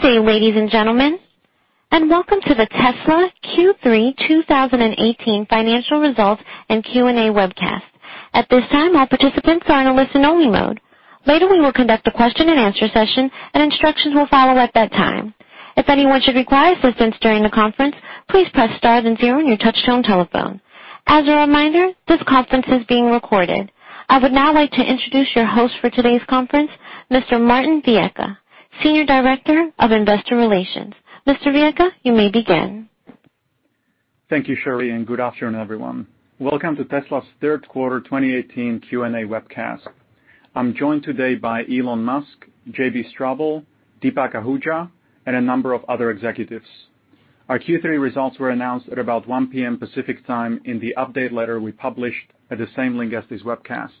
Good day, ladies and gentlemen, and welcome to the Tesla Q3 2018 Financial Results and Q&A webcast. At this time, all participants are in a listen-only mode. Later, we will conduct a question and answer session and instructions will follow at that time. If anyone should require assistance during the conference, please press star then zero on your touchtone telephone. As a reminder, this conference is being recorded. I would now like to introduce your host for today's conference, Mr. Martin Viecha, Senior Director of Investor Relations. Mr. Viecha, you may begin. Thank you, Shirley, and good afternoon, everyone. Welcome to Tesla's third quarter 2018 Q&A webcast. I'm joined today by Elon Musk, JB Straubel, Deepak Ahuja, and a number of other executives. Our Q3 results were announced at about 1:00 P.M. Pacific Time in the update letter we published at the same link as this webcast.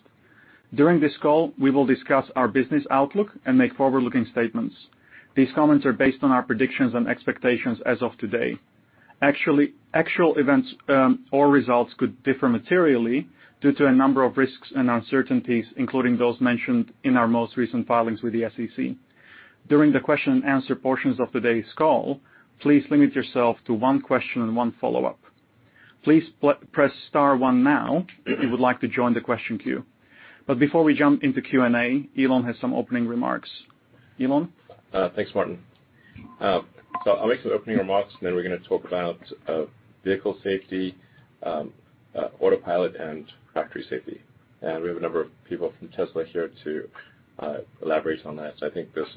During this call, we will discuss our business outlook and make forward-looking statements. These comments are based on our predictions and expectations as of today. Actual events or results could differ materially due to a number of risks and uncertainties, including those mentioned in our most recent filings with the SEC. During the question and answer portions of today's call, please limit yourself to one question and one follow-up. Please press star one now if you would like to join the question queue. Before we jump into Q&A, Elon has some opening remarks. Elon? Thanks, Martin. I'll make some opening remarks, and then we're going to talk about vehicle safety, Autopilot and factory safety. We have a number of people from Tesla here to elaborate on that. I think there's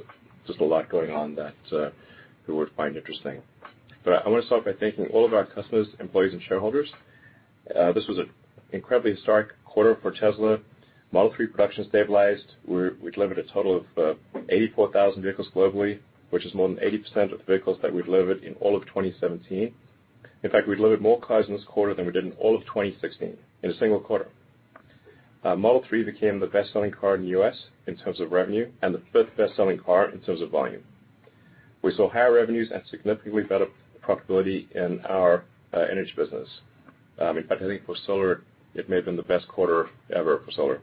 just a lot going on that you would find interesting. I want to start by thanking all of our customers, employees and shareholders. This was an incredibly historic quarter for Tesla. Model 3 production stabilized. We delivered a total of 84,000 vehicles globally, which is more than 80% of the vehicles that we delivered in all of 2017. We delivered more cars in this quarter than we did in all of 2016 in a single quarter. Model 3 became the best-selling car in the US in terms of revenue and the fifth best-selling car in terms of volume. We saw higher revenues and significantly better profitability in our energy business. In fact, I think for solar, it may have been the best quarter ever for solar.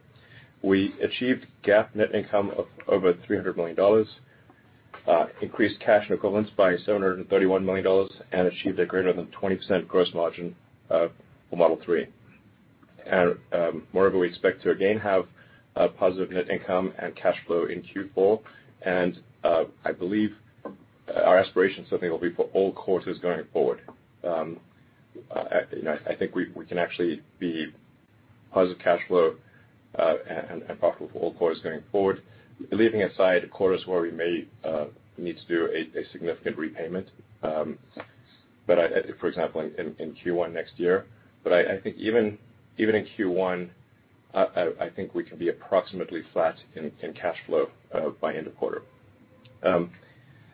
We achieved GAAP net income of over $300 million, increased cash and equivalents by $731 million, and achieved a greater than 20% gross margin of the Model 3. Moreover, we expect to again have positive net income and cash flow in Q4. I believe our aspiration certainly will be for all quarters going forward. You know, I think we can actually be positive cash flow and profitable for all quarters going forward, leaving aside quarters where we may need to do a significant repayment. For example, in Q1 next year. I think even in Q1, I think we can be approximately flat in cash flow by end of quarter.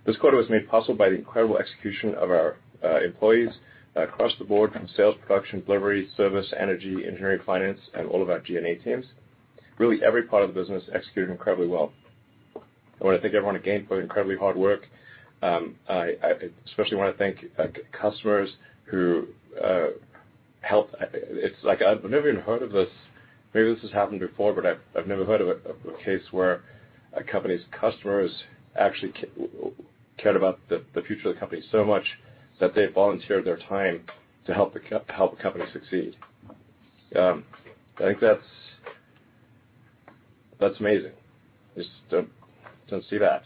This quarter was made possible by the incredible execution of our employees across the board from sales, production, delivery, service, energy, engineering, finance, and all of our G&A teams. Really every part of the business executed incredibly well. I wanna thank everyone again for their incredibly hard work. I especially wanna thank customers. Maybe this has happened before, but I've never heard of a case where a company's customers actually cared about the future of the company so much that they volunteered their time to help the company succeed. I think that's amazing. Just don't see that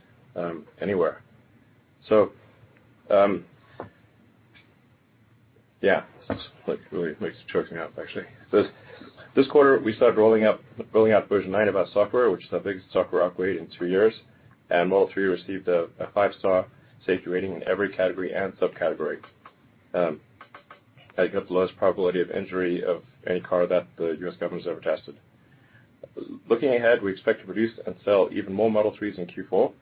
anywhere. Yeah, it's like really makes me choked me up actually. This quarter we started rolling out Version 9 of our software, which is the biggest software upgrade in two years, Model 3 received a 5-star safety rating in every category and subcategory. It got the lowest probability of injury of any car that the U.S. government's ever tested. Looking ahead, we expect to produce and sell even more Model 3s in Q4,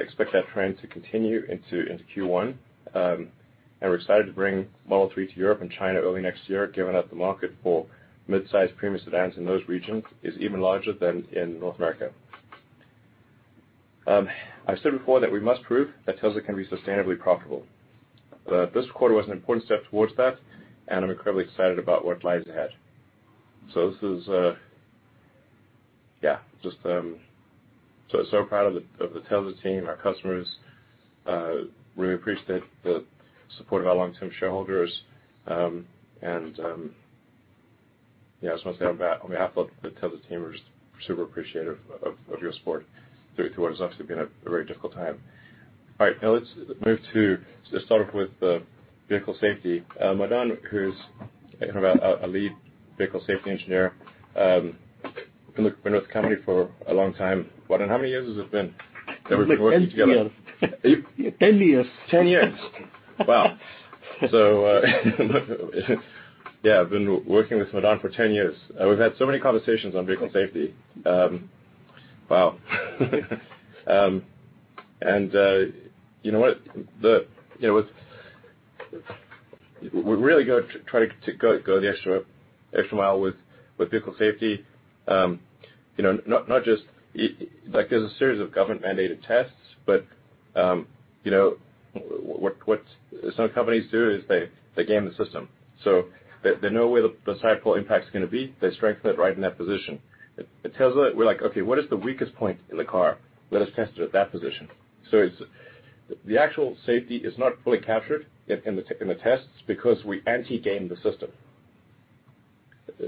expect that trend to continue into Q1. We're excited to bring Model 3 to Europe and China early next year, given that the market for midsize premium sedans in those regions is even larger than in North America. I've said before that we must prove that Tesla can be sustainably profitable. This quarter was an important step towards that, and I'm incredibly excited about what lies ahead. This is, yeah, just so proud of the Tesla team, our customers, really appreciate the support of our long-term shareholders. Yeah, I just wanna say on behalf of the Tesla team, we're just super appreciative of your support through, towards what's obviously been a very difficult time. All right. Let's start off with vehicle safety. Madan, who's kind of a lead vehicle safety engineer, been with the company for a long time. Madan, how many years has it been that we've been working together? 10 years. Ten years. Wow. Yeah, I've been working with Madan for 10 years. We've had so many conversations on vehicle safety. Wow. You know what? We really try to go the extra mile with vehicle safety. You know, not just, like, there's a series of government-mandated tests. You know, what some companies do is they game the system. They know where the side pole impact's gonna be. They strengthen it right in that position. At Tesla, we're like, "Okay, what is the weakest point in the car? Let us test it at that position." The actual safety is not fully captured in the tests because we anti-game the system.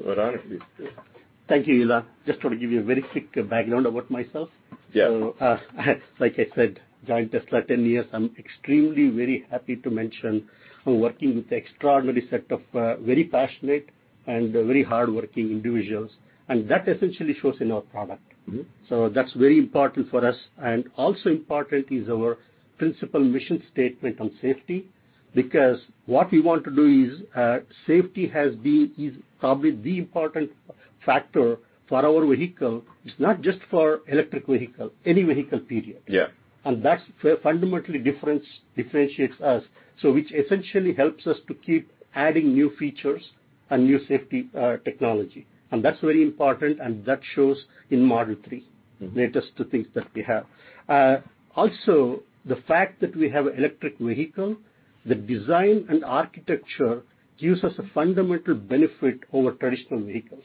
Madan, please. Thank you, Elon. Just want to give you a very quick background about myself. Yeah. Like I said, joined Tesla 10 years. I'm extremely very happy to mention I'm working with extraordinary set of very passionate and very hardworking individuals, and that essentially shows in our product. That's very important for us and also important is our principal mission statement on safety. What we want to do is, safety is probably the important factor for our vehicle. It's not just for electric vehicle, any vehicle, period. Yeah. That's where fundamentally difference differentiates us. Which essentially helps us to keep adding new features and new safety technology, and that's very important and that shows in Model 3. -latest two things that we have. Also, the fact that we have electric vehicle, the design and architecture gives us a fundamental benefit over traditional vehicles.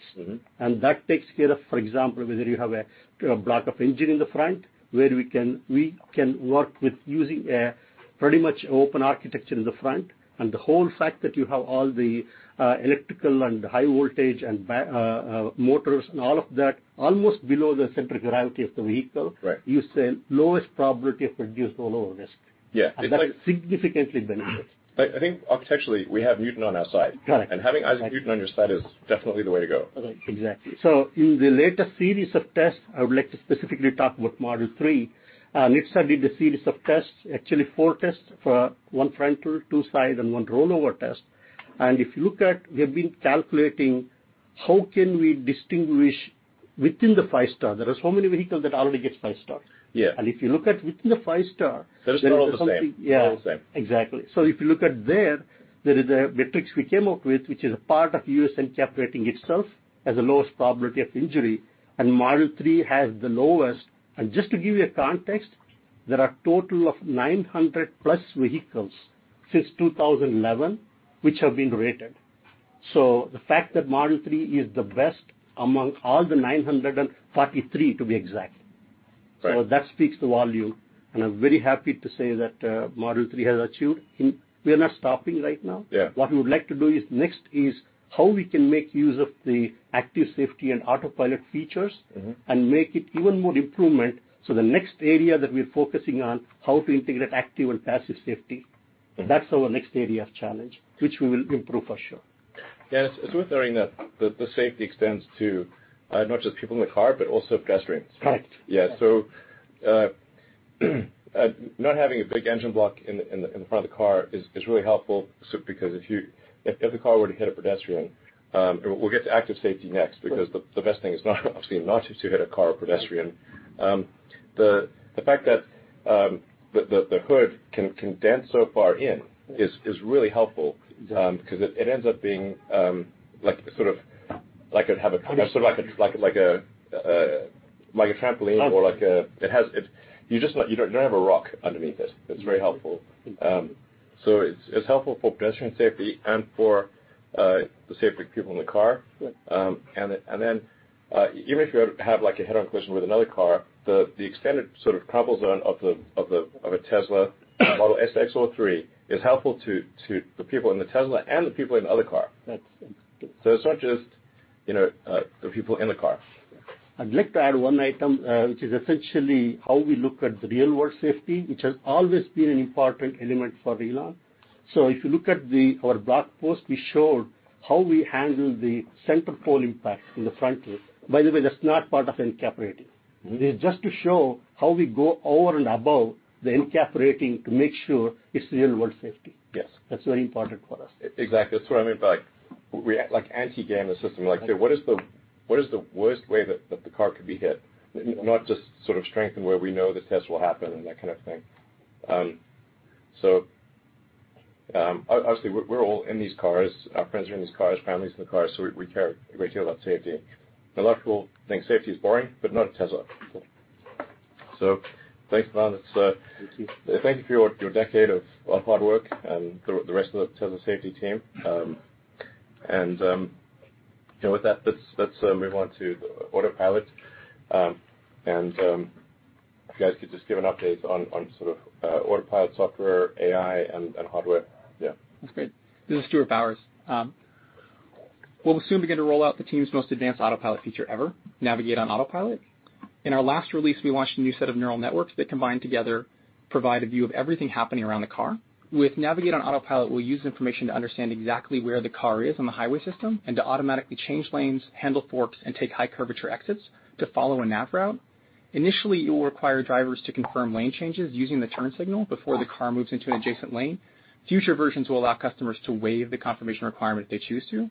That takes care of, for example, whether you have a block of engine in the front where we can work with using a pretty much open architecture in the front and the whole fact that you have all the electrical and high voltage and motors and all of that almost below the center of gravity of the vehicle. Right -use the lowest probability of reduced rollover risk. Yeah. That is significantly benefit. I think architecturally, we have Newton on our side. Correct. Having Isaac Newton on your side is definitely the way to go. Right. Exactly. In the later series of tests, I would like to specifically talk about Model 3. NHTSA did a series of tests, actually four tests for one frontal, two side, and one rollover test. If you look at, we have been calculating how can we distinguish within the 5-star. There are so many vehicles that already gets 5-star. Yeah. If you look at within the 5-star, there is something. They're still all the same. Yeah. All the same. Exactly. If you look at there is a metrics we came up with, which is a part of U.S. NCAP rating itself, has the lowest probability of injury, and Model 3 has the lowest. Just to give you a context, there are total of 900+ vehicles since 2011 which have been rated. The fact that Model 3 is the best among all the 943 to be exact. Right. That speaks to volume and I'm very happy to say that Model 3 has achieved. We are not stopping right now. Yeah. What we would like to do is next is how we can make use of the active safety and Autopilot features. And make it even more improvement. The next area that we're focusing on, how to integrate active and passive safety. That's our next area of challenge, which we will improve for sure. Yeah. It's worth noting that the safety extends to not just people in the car, but also pedestrians. Correct. Yeah. Not having a big engine block in the front of the car is really helpful. Because if the car were to hit a pedestrian, and we'll get to active safety next. Because the best thing is not, obviously, not to hit a car or pedestrian. The fact that the hood can dent so far in is really helpful. Yeah 'cause it ends up being, like sort of like. Under- -sort of like a, like a, uh, like a trampoline- Under- like a You just not, you don't have a rock underneath it. It's very helpful. It's helpful for pedestrian safety and for the safety of people in the car. Yeah. Even if you have like a head-on collision with another car, the extended sort of crumple zone of a Tesla Model S, X, or 3 is helpful to the people in the Tesla and the people in the other car. That's interesting. It's not just, you know, the people in the car. I'd like to add one item, which is essentially how we look at the real world safety, which has always been an important element for Elon. If you look at the, our blog post, we showed how we handle the center pole impact in the front here. By the way, that's not part of NCAP rating. It is just to show how we go over and above the U.S. NCAP rating to make sure it's real world safety. Yes. That's very important for us. Exactly. That's what I mean by like anti-game the system. Yeah. Like say, what is the worst way that the car could be hit? Yeah. Not just sort of strengthen where we know the test will happen and that kind of thing. Obviously we're all in these cars. Our friends are in these cars, family's in the cars, so we care a great deal about safety. A lot of people think safety is boring, but not at Tesla. Thanks, Madan. Thank you. thank you for your decade of hard work and the rest of the Tesla safety team. You know, with that, let's move on to the Autopilot. If you guys could just give an update on sort of Autopilot software, AI, and hardware. Yeah. That's great. This is Stuart Bowers. We'll soon begin to roll out the team's most advanced Autopilot feature ever, Navigate on Autopilot. In our last release, we launched a new set of neural networks that combine together, provide a view of everything happening around the car. With Navigate on Autopilot, we'll use information to understand exactly where the car is on the highway system and to automatically change lanes, handle forks, and take high curvature exits to follow a nav route. Initially, it will require drivers to confirm lane changes using the turn signal before the car moves into an adjacent lane. Future versions will allow customers to waive the confirmation requirement if they choose to.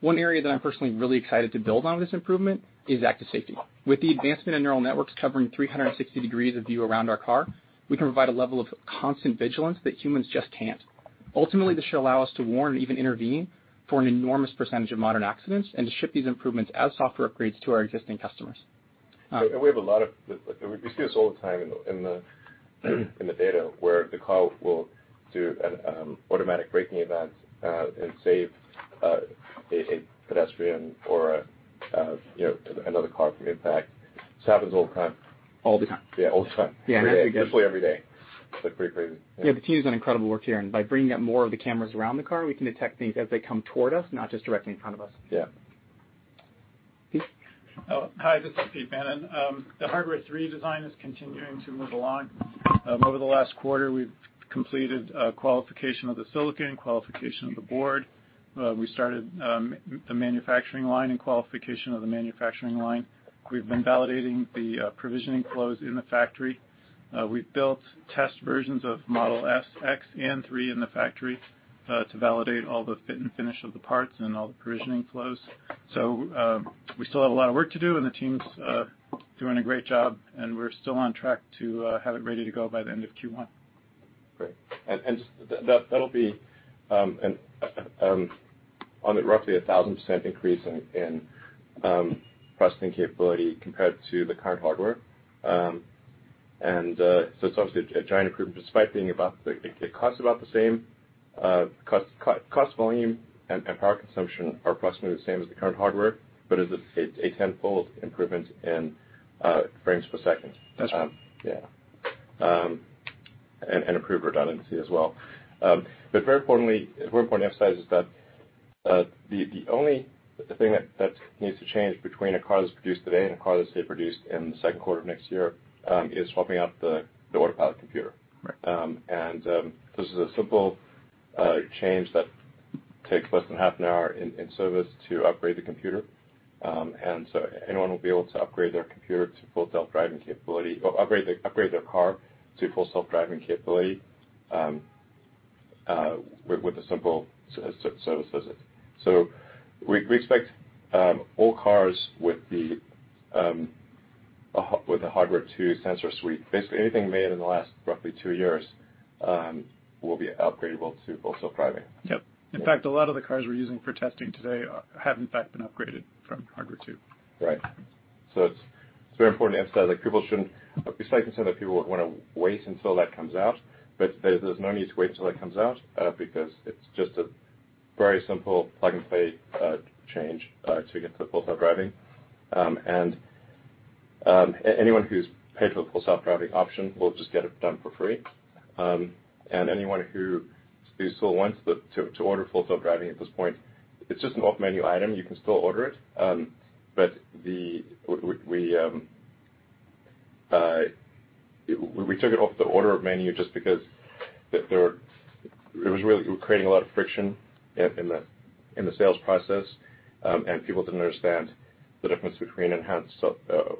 One area that I'm personally really excited to build on this improvement is active safety. With the advancement of neural networks covering 360 degrees of view around our car, we can provide a level of constant vigilance that humans just can't. Ultimately, this should allow us to warn, even intervene for an enormous percentage of modern accidents and to ship these improvements as software upgrades to our existing customers. We have a lot of like we see this all the time. In the data where the car will do an automatic braking event and save a pedestrian or a, you know, another car from impact. This happens all the time. All the time. Yeah, all the time. Yeah. Every day. Usually every day. It's, like, pretty crazy. Yeah. Yeah, the team's done incredible work here, and by bringing up more of the cameras around the car, we can detect things as they come toward us, not just directly in front of us. Yeah. Pete. Hi, this is Pete Bannon. The Hardware 3 design is continuing to move along. Over the last quarter, we've completed qualification of the silicon, qualification of the board. We started a manufacturing line and qualification of the manufacturing line. We've been validating the provisioning flows in the factory. We've built test versions of Model S, X, and 3 in the factory to validate all the fit and finish of the parts and all the provisioning flows. We still have a lot of work to do, and the team's doing a great job, and we're still on track to have it ready to go by the end of Q1. Great. That'll be an on at roughly 1,000% increase in processing capability compared to the current hardware. It's obviously a giant improvement despite being about the It costs about the same. Cost volume and power consumption are approximately the same as the current hardware but is a tenfold improvement in frames per second. That's right. Yeah. Improved redundancy as well. Very importantly, it's very important to emphasize is that the only thing that needs to change between a car that's produced today and a car that's, say, produced in the second quarter of next year, is swapping out the Autopilot computer. Right. This is a simple change that takes less than half an hour in service to upgrade the computer. Anyone will be able to upgrade their computer to Full Self-Driving capability or upgrade their car to Full Self-Driving capability with a simple service visit. We expect all cars with the Hardware 2 sensor suite, basically anything made in the last roughly two years, will be upgradable to Full Self-Driving. Yep. Yeah. In fact, a lot of the cars we're using for testing today have in fact been upgraded from Hardware 2. It's very important to emphasize, like, It's likely to say that people would wanna wait until that comes out, but there's no need to wait till that comes out, because it's just a very simple plug-and-play change to get to Full Self-Driving. Anyone who's paid for the Full Self-Driving option will just get it done for free. Anyone who still wants to order Full Self-Driving at this point, it's just an off-menu item. You can still order it. We took it off the order of menu just because it was really creating a lot of friction in the sales process, and people didn't understand the difference between Enhanced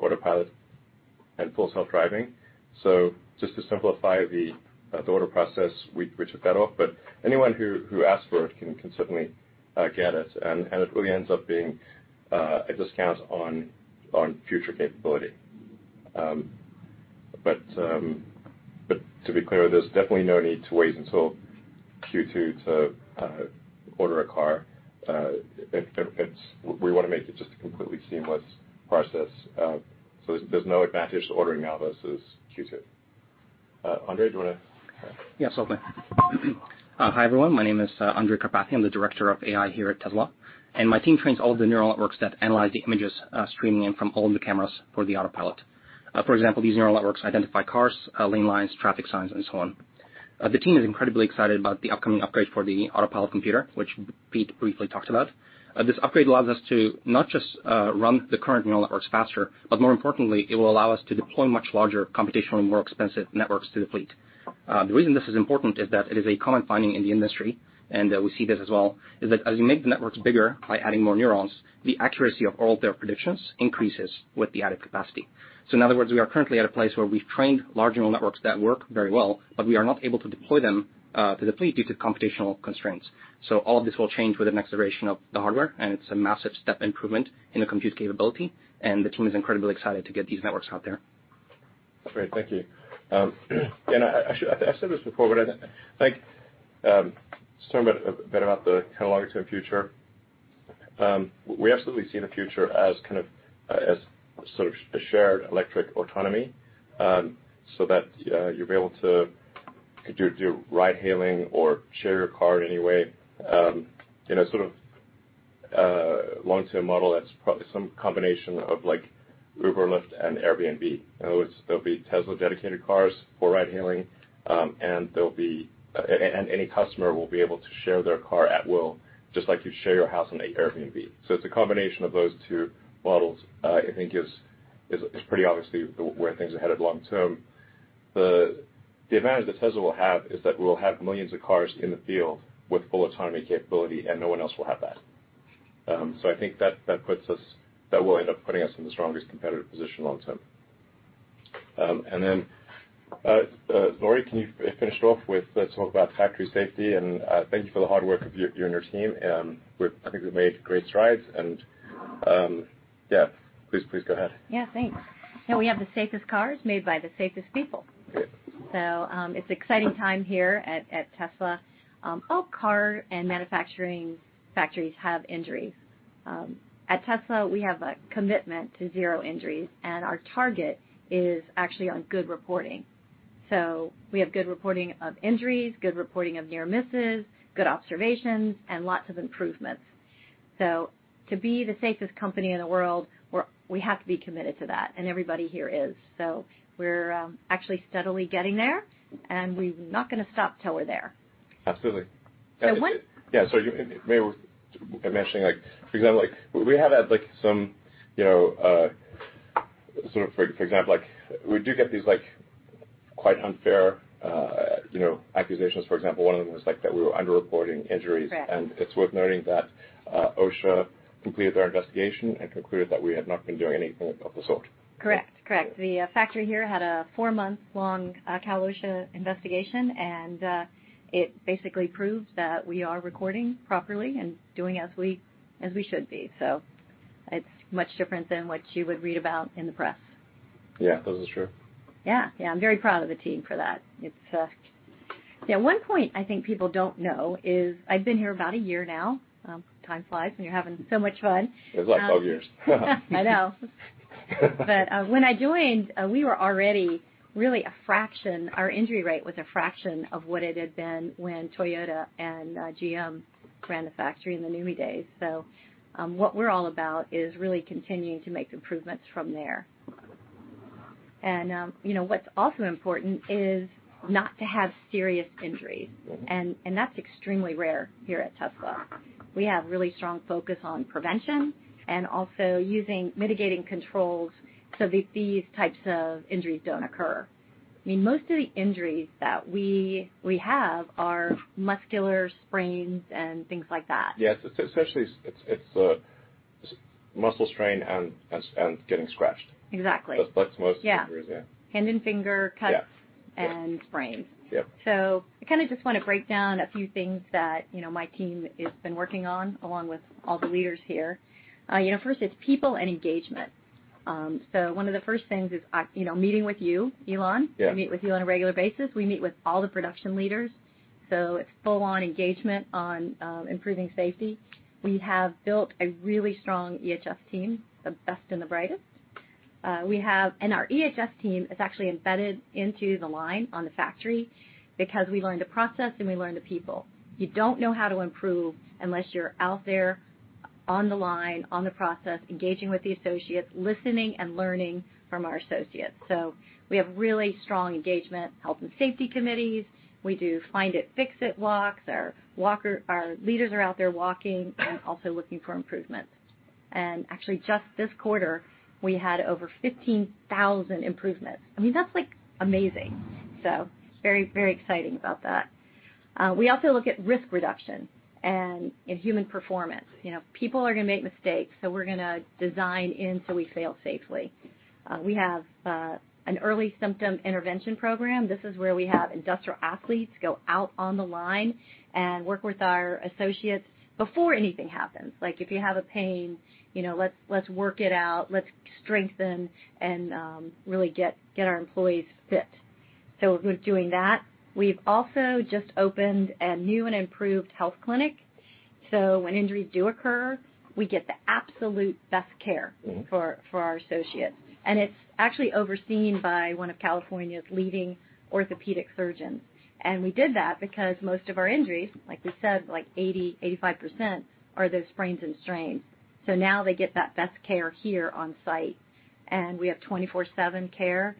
Autopilot and Full Self-Driving. Just to simplify the order process, we took that off. Anyone who asks for it can certainly get it and it really ends up being a discount on future capability. To be clear, there's definitely no need to wait until Q2 to order a car. We wanna make it just a completely seamless process. There's no advantage to ordering now versus Q2. Andrej, do you wanna? Yes. Okay. Hi, everyone. My name is Andrej Karpathy. I'm the Director of AI here at Tesla, and my team trains all of the neural networks that analyze the images, streaming in from all of the cameras for the Autopilot. For example, these neural networks identify cars, lane lines, traffic signs, and so on. The team is incredibly excited about the upcoming upgrade for the Autopilot computer, which Pete briefly talked about. This upgrade allows us to not just run the current neural networks faster, but more importantly, it will allow us to deploy much larger computationally more expensive networks to the fleet. The reason this is important is that it is a common finding in the industry, and we see this as well, is that as you make the networks bigger by adding more neurons, the accuracy of all their predictions increases with the added capacity. In other words, we are currently at a place where we've trained large neural networks that work very well, but we are not able to deploy them to the fleet due to computational constraints. All of this will change with the next generation of the hardware, and it's a massive step improvement in the compute capability, and the team is incredibly excited to get these networks out there. Great. Thank you. I said this before, but I'd like just to talk a bit about the kind of long-term future. We absolutely see the future as kind of, as sort of a shared electric autonomy, so that you'll be able to do ride-hailing or share your car in any way. In a sort of long-term model that's some combination of, like, Uber, Lyft, and Airbnb. In other words, there'll be Tesla-dedicated cars for ride-hailing, and there'll be, and any customer will be able to share their car at will, just like you share your house on a Airbnb. It's a combination of those two models, I think is pretty obviously the, where things are headed long term. The advantage that Tesla will have is that we'll have millions of cars in the field with full autonomy capability, and no one else will have that. I think that will end up putting us in the strongest competitive position long term. Then, Laurie, can you finish it off with, let's talk about factory safety and thank you for the hard work of your team. I think we've made great strides. Please go ahead. Yeah, thanks. Yeah, we have the safest cars made by the safest people. Yeah. It's exciting time here at Tesla. All car and manufacturing factories have injuries. At Tesla, we have a commitment to zero injuries, and our target is actually on good reporting. We have good reporting of injuries, good reporting of near misses, good observations, and lots of improvements. To be the safest company in the world, we have to be committed to that, and everybody here is. We're actually steadily getting there, and we're not gonna stop till we're there. Absolutely. So one- Yeah, maybe I'm mentioning, for example, we have had some, you know, sort of for example, we do get these quite unfair, you know, accusations. For example, one of them was that we were underreporting injuries. Correct. It's worth noting that, OSHA completed their investigation and concluded that we had not been doing anything of the sort. Correct. Correct. The factory here had a four-month long Cal/OSHA investigation, and it basically proved that we are recording properly and doing as we should be. It's much different than what you would read about in the press. Yeah. This is true. Yeah. Yeah. I'm very proud of the team for that. It's, yeah, one point I think people don't know is I've been here about a year now, time flies, and you're having so much fun. It was like 12 years. I know. When I joined, our injury rate was a fraction of what it had been when Toyota and GM ran the factory in the NUMMI days. What we're all about is really continuing to make improvements from there. You know, what's also important is not to have serious injuries. That's extremely rare here at Tesla. We have really strong focus on prevention and also using mitigating controls so these types of injuries don't occur. I mean, most of the injuries that we have are muscular sprains and things like that. Yes. Essentially it's muscle strain and getting scratched. Exactly. That's most injuries, yeah. Yeah. Hand and finger cuts. Yeah. Yeah sprains. Yep. I kind of just want to break down a few things that, you know, my team has been working on along with all the leaders here. You know, first it is people and engagement. One of the first things is, you know, meeting with you, Elon. Yeah. I meet with you on a regular basis. We meet with all the production leaders, so it's full on engagement on improving safety. We have built a really strong EHS team, the best and the brightest. Our EHS team is actually embedded into the line on the factory because we learn the process and we learn the people. You don't know how to improve unless you're out there on the line, on the process, engaging with the associates, listening and learning from our associates. We have really strong engagement, health and safety committees. We do find it, fix it walks. Our leaders are out there walking and also looking for improvements. And actually just this quarter, we had over 15,000 improvements. I mean, that's, like, amazing. Very, very exciting about that. We also look at risk reduction and in human performance. You know, people are gonna make mistakes, so we're gonna design in so we fail safely. We have an early symptom intervention program. This is where we have industrial athletes go out on the line and work with our associates before anything happens. Like, if you have a pain, you know, let's work it out, let's strengthen and really get our employees fit. We're doing that. We've also just opened a new and improved health clinic. When injuries do occur, we get the absolute best care. for our associates. It's actually overseen by one of California's leading orthopedic surgeons. We did that because most of our injuries, like we said, like 80%-85% are those sprains and strains. Now they get that best care here on site. We have 24/7 care.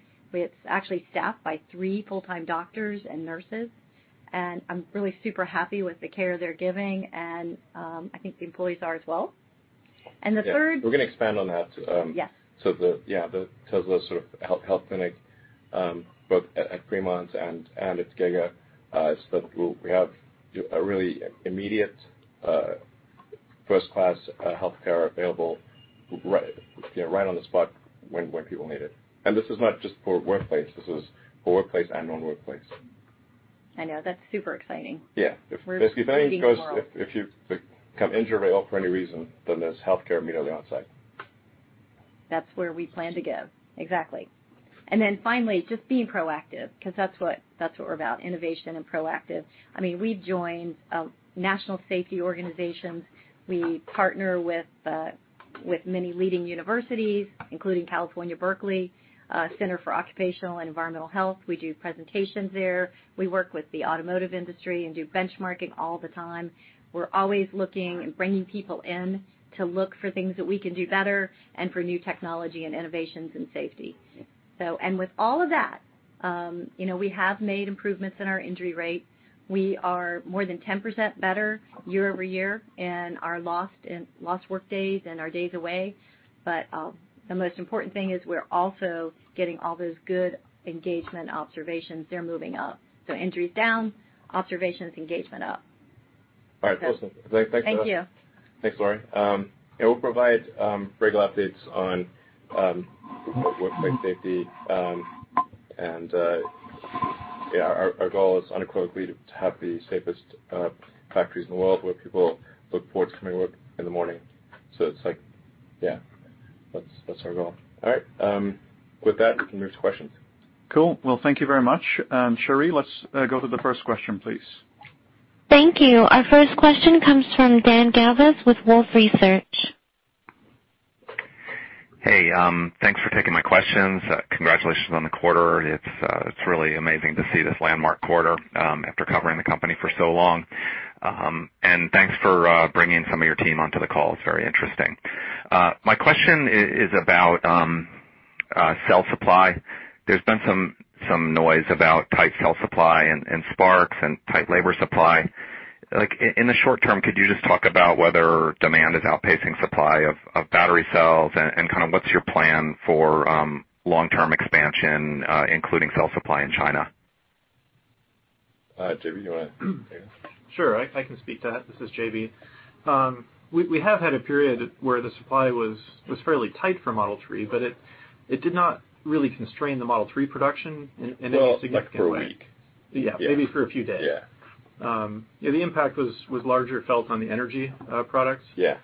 Actually staffed by three full-time doctors and nurses, and I'm really super happy with the care they're giving and I think the employees are as well. Yeah. We're gonna expand on that. Yes Yeah, the Tesla sort of health clinic, both at Fremont and at Giga, so that we have a really immediate, first-class healthcare available right, you know, right on the spot when people need it. This is not just for workplace, this is for workplace and non-workplace. I know. That's super exciting. Yeah. We're leading the world. If you become injured at all for any reason, then there's healthcare immediately on site. That's where we plan to give. Exactly. Finally, just being proactive, 'cause that's what we're about, innovation and proactive. I mean, we've joined national safety organizations. We partner with many leading universities, including UC Berkeley, Center for Occupational and Environmental Health. We do presentations there. We work with the automotive industry and do benchmarking all the time. We're always looking and bringing people in to look for things that we can do better and for new technology and innovations in safety. With all of that, you know, we have made improvements in our injury rate. We are more than 10% better year-over-year in our lost workdays and our days away. The most important thing is we're also getting all those good engagement observations. They're moving up. Injuries down, observations, engagement up. All right. Awesome. So- Thanks, Laurie. Thank you. Thanks, Laurie. We'll provide regular updates on workplace safety. Our goal is unequivocally to have the safest factories in the world where people look forward to coming to work in the morning. That's our goal. All right. With that, we can move to questions. Cool. Well, thank you very much. Shirley, let's go to the first question, please. Thank you. Our first question comes from Dan Galves with Wolfe Research. Hey, thanks for taking my questions. Congratulations on the quarter. It's really amazing to see this landmark quarter after covering the company for so long. Thanks for bringing some of your team onto the call. It's very interesting. My question is about cell supply. There's been some noise about tight cell supply and Sparks and tight labor supply. Like, in the short term, could you just talk about whether demand is outpacing supply of battery cells and kinda what's your plan for long-term expansion, including cell supply in China? JB. Sure. I can speak to that. This is JB. We have had a period where the supply was fairly tight for Model 3, but it did not really constrain the Model 3 production in a significant way. Well, like for a week. Yeah. Yeah. Maybe for a few days. Yeah. Yeah, the impact was larger felt on the energy products. Yeah.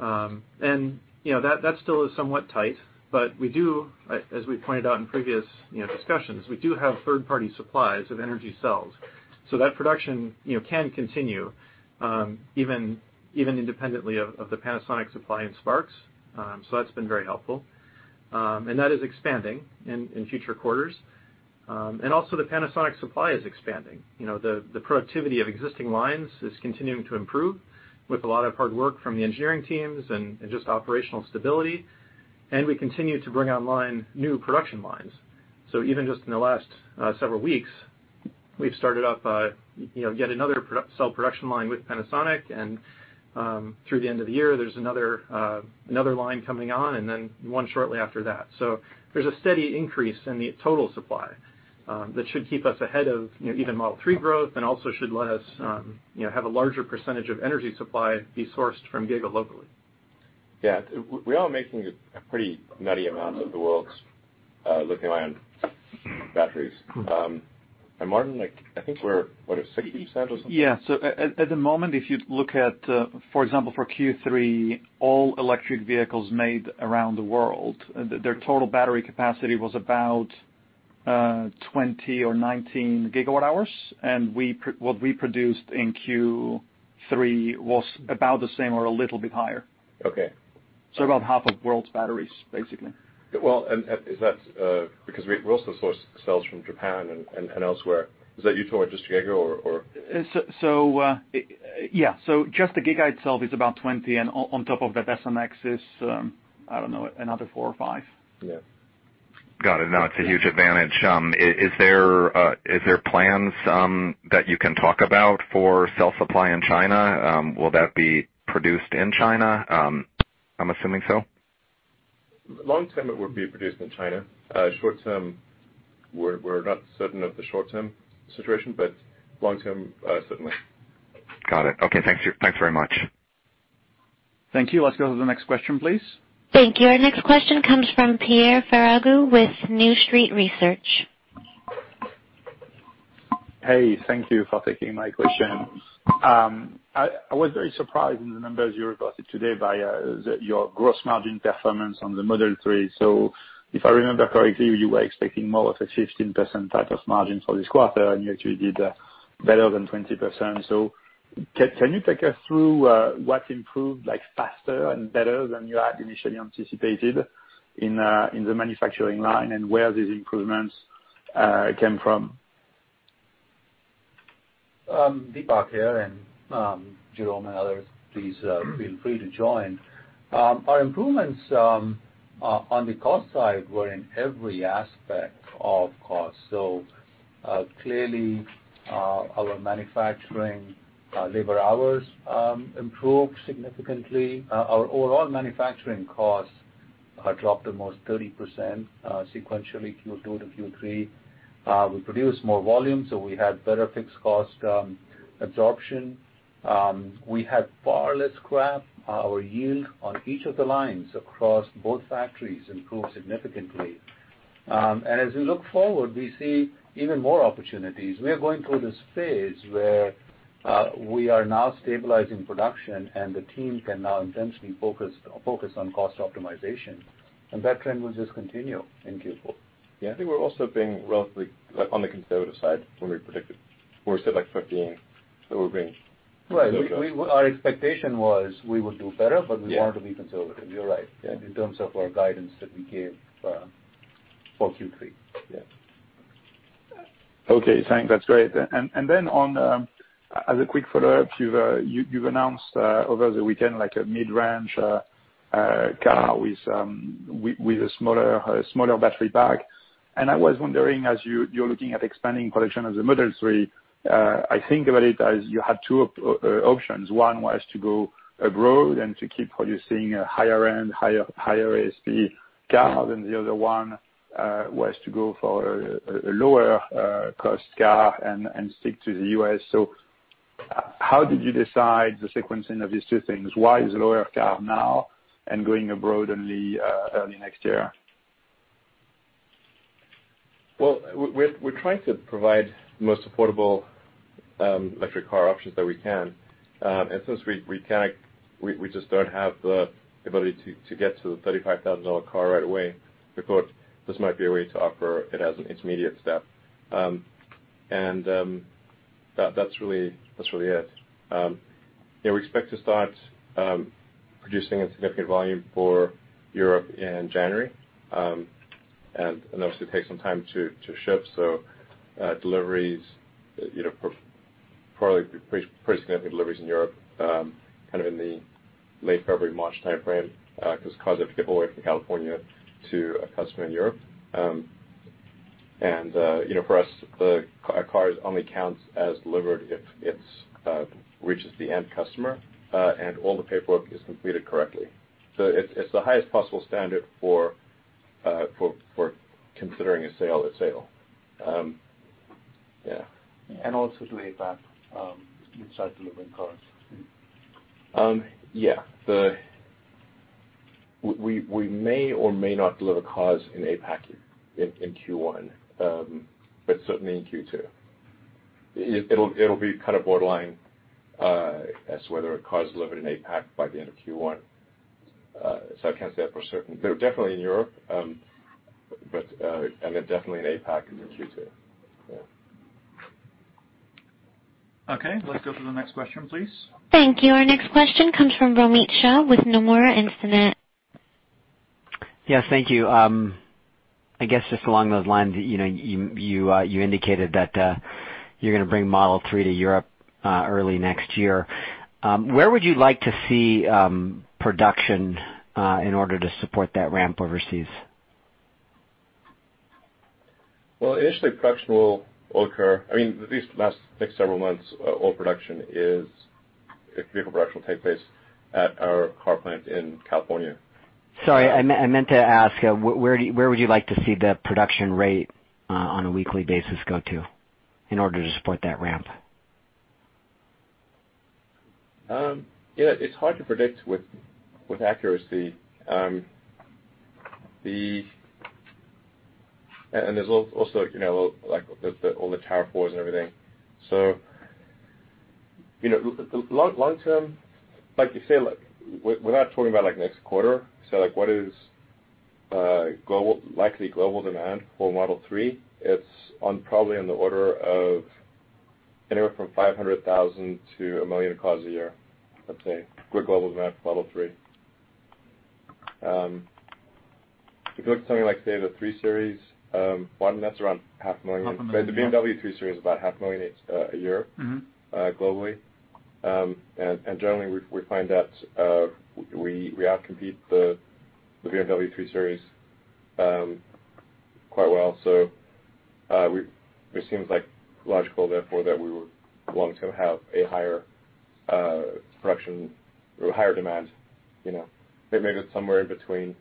You know, that still is somewhat tight, but we do, as we pointed out in previous, you know, discussions, we do have third-party supplies of energy cells. That production, you know, can continue even independently of the Panasonic supply and Sparks. That's been very helpful. That is expanding in future quarters. Also the Panasonic supply is expanding. You know, the productivity of existing lines is continuing to improve with a lot of hard work from the engineering teams and just operational stability. We continue to bring online new production lines. Even just in the last several weeks, we've started up, you know, yet another cell production line with Panasonic and through the end of the year, there's another line coming on and then one shortly after that. There's a steady increase in the total supply that should keep us ahead of, you know, even Model 3 growth and also should let us, you know, have a larger percentage of energy supply be sourced from Giga locally. Yeah. We are making a pretty nutty amount of the world's lithium ion batteries. Martin, like, I think we're, what, at 60% or something? At the moment, if you look at, for example, for Q3, all electric vehicles made around the world, their total battery capacity was about 20 or 19GWh. What we produced in Q3 was about the same or a little bit higher. Okay. About half of world's batteries, basically. Well, and is that because we also source cells from Japan and elsewhere, is that you two or just Giga or? Yeah. Just the Giga itself is about 20, and on top of that, S and X is, I don't know, another four or five. Yeah. Got it. No, it's a huge advantage. Is there plans that you can talk about for cell supply in China? Will that be produced in China? I'm assuming so. Long term, it would be produced in China. Short term, we're not certain of the short-term situation, but long term, certainly. Got it. Okay. Thanks very much. Thank you. Let's go to the next question, please. Thank you. Our next question comes from Pierre Ferragu with New Street Research. Hey, thank you for taking my question. I was very surprised in the numbers you reported today by your gross margin performance on the Model 3. If I remember correctly, you were expecting more of a 15% type of margin for this quarter, and you actually did better than 20%. Can you take us through what improved, like, faster and better than you had initially anticipated in the manufacturing line and where these improvements came from? Deepak here, Jerome and others, please feel free to join. Our improvements on the cost side were in every aspect of cost. Clearly, our manufacturing labor hours improved significantly. Our overall manufacturing costs had dropped almost 30% sequentially Q2 to Q3. We produced more volume, so we had better fixed cost absorption. We had far less scrap. Our yield on each of the lines across both factories improved significantly. As we look forward, we see even more opportunities. We are going through this phase where we are now stabilizing production and the team can now intensely focus on cost optimization, and that trend will just continue in Q4. I think we're also being relatively on the conservative side when we predicted or said 15 lower range. Right. We our expectation was we would do better. Yeah. We wanted to be conservative. You're right. Yeah. In terms of our guidance that we gave, for Q three. Yeah. Thanks. That's great. As a quick follow-up, you've announced over the weekend, like a mid-range car with a smaller battery pack. I was wondering as you're looking at expanding production of the Model 3, I think about it as you had two options. One was to go abroad and to keep producing a higher end, higher ASP car, and the other one was to go for a lower cost car and stick to the U.S. How did you decide the sequencing of these two things? Why is lower car now and going abroad only early next year? Well, we're trying to provide the most affordable electric car options that we can. Since we just don't have the ability to get to the $35,000 car right away, we thought this might be a way to offer it as an intermediate step. That's really it. We expect to start producing a significant volume for Europe in January. Obviously it takes some time to ship. Deliveries, you know, probably pretty significant deliveries in Europe, kind of in the late February, March timeframe, 'cause cars have to get all the way from California to a customer in Europe. You know, for us, a car is only counts as delivered if it reaches the end customer, and all the paperwork is completed correctly. It's the highest possible standard for considering a sale. Also to APAC, you start delivering cars. Yeah. We may or may not deliver cars in APAC in Q1, but certainly in Q2. It'll be kind of borderline as to whether a car is delivered in APAC by the end of Q1, so I can't say that for certain. They're definitely in Europe, but, and they're definitely in APAC in Q2. Yeah. Okay, let's go to the next question, please. Thank you. Our next question comes from Romit Shah with Nomura Instinet. Yes, thank you. I guess just along those lines, you know, you indicated that you're gonna bring Model 3 to Europe early next year. Where would you like to see production in order to support that ramp overseas? Initially, I mean, at least the next several months, vehicle production will take place at our car plant in California. Sorry, I meant to ask, where would you like to see the production rate on a weekly basis go to in order to support that ramp? Yeah, it's hard to predict with accuracy. There's also, you know, like all the tariff wars and everything. You know, long term, like you say, we're not talking about like next quarter. Like what is likely global demand for Model 3? It's on probably on the order of anywhere from 500,000 to 1 million cars a year, let's say, global demand for Model 3. If you look at something like, say, the 3 Series, 1, that's around 500,000. $500,000 The BMW 3 Series is about 500,000 units a year. Globally. Generally we find that we outcompete the BMW 3 Series quite well. We, it seems, like, logical therefore that we will long-term have a higher production or higher demand, you know. Maybe it's somewhere in between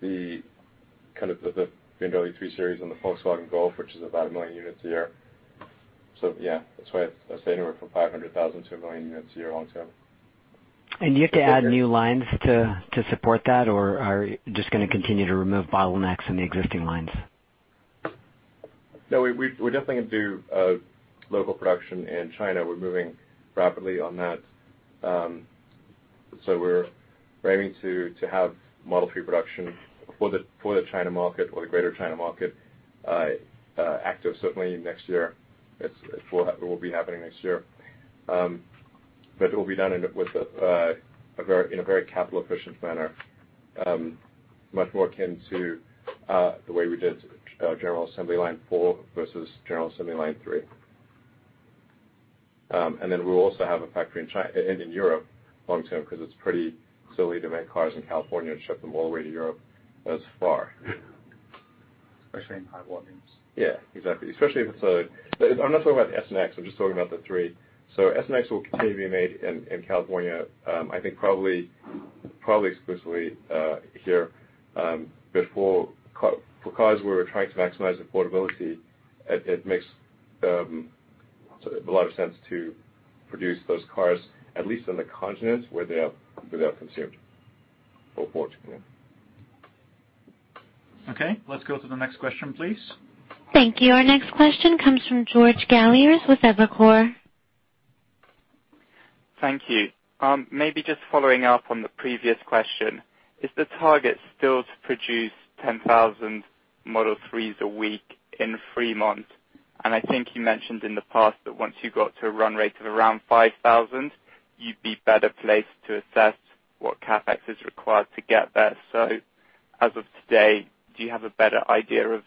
the kind of the BMW 3 Series and the Volkswagen Golf, which is about 1 million units a year. Yeah, that's why I say anywhere from 500,000-1 million units a year long term. Do you have to add new lines to support that or are you just gonna continue to remove bottlenecks in the existing lines? We're definitely gonna do local production in China. We're moving rapidly on that. We're aiming to have Model 3 production for the China market or the Greater China market active certainly next year. It will be happening next year. It will be done with a very capital-efficient manner, much more akin to the way we did General Assembly Line 4 versus General Assembly Line 3. We'll also have a factory in Europe long term 'cause it's pretty silly to make cars in California and ship them all the way to Europe. That's far. Especially in high volumes. Yeah, exactly. Especially if it's a I'm not talking about the S and X, I'm just talking about the 3. S and X will continue to be made in California, I think probably exclusively here, for cars where we're trying to maximize affordability, it makes a lot of sense to produce those cars at least on the continents where they are, where they are consumed or bought. Okay, let's go to the next question, please. Thank you. Our next question comes from George Galliers with Evercore. Thank you. Maybe just following up on the previous question, is the target still to produce 10,000 Model 3s a week in Fremont? I think you mentioned in the past that once you got to a run rate of around 5,000, you'd be better placed to assess what CapEx is required to get there. As of today, do you have a better idea of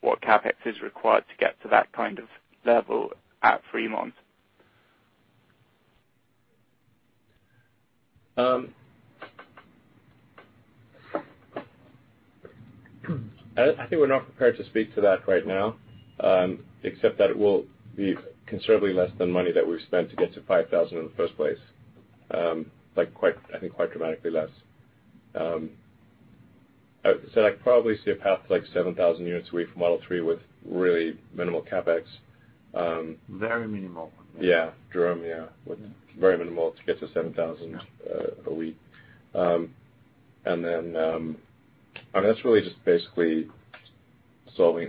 what CapEx is required to get to that kind of level at Fremont? I think we're not prepared to speak to that right now, except that it will be considerably less than money that we've spent to get to 5,000 in the first place. I think quite dramatically less. I would say I probably see a path to like 7,000 units a week for Model 3 with really minimal CapEx. Very minimal. Yeah. Jerome, yeah. With very minimal to get to 7,000. Yeah - a week. Then, I mean, that's really just basically solving,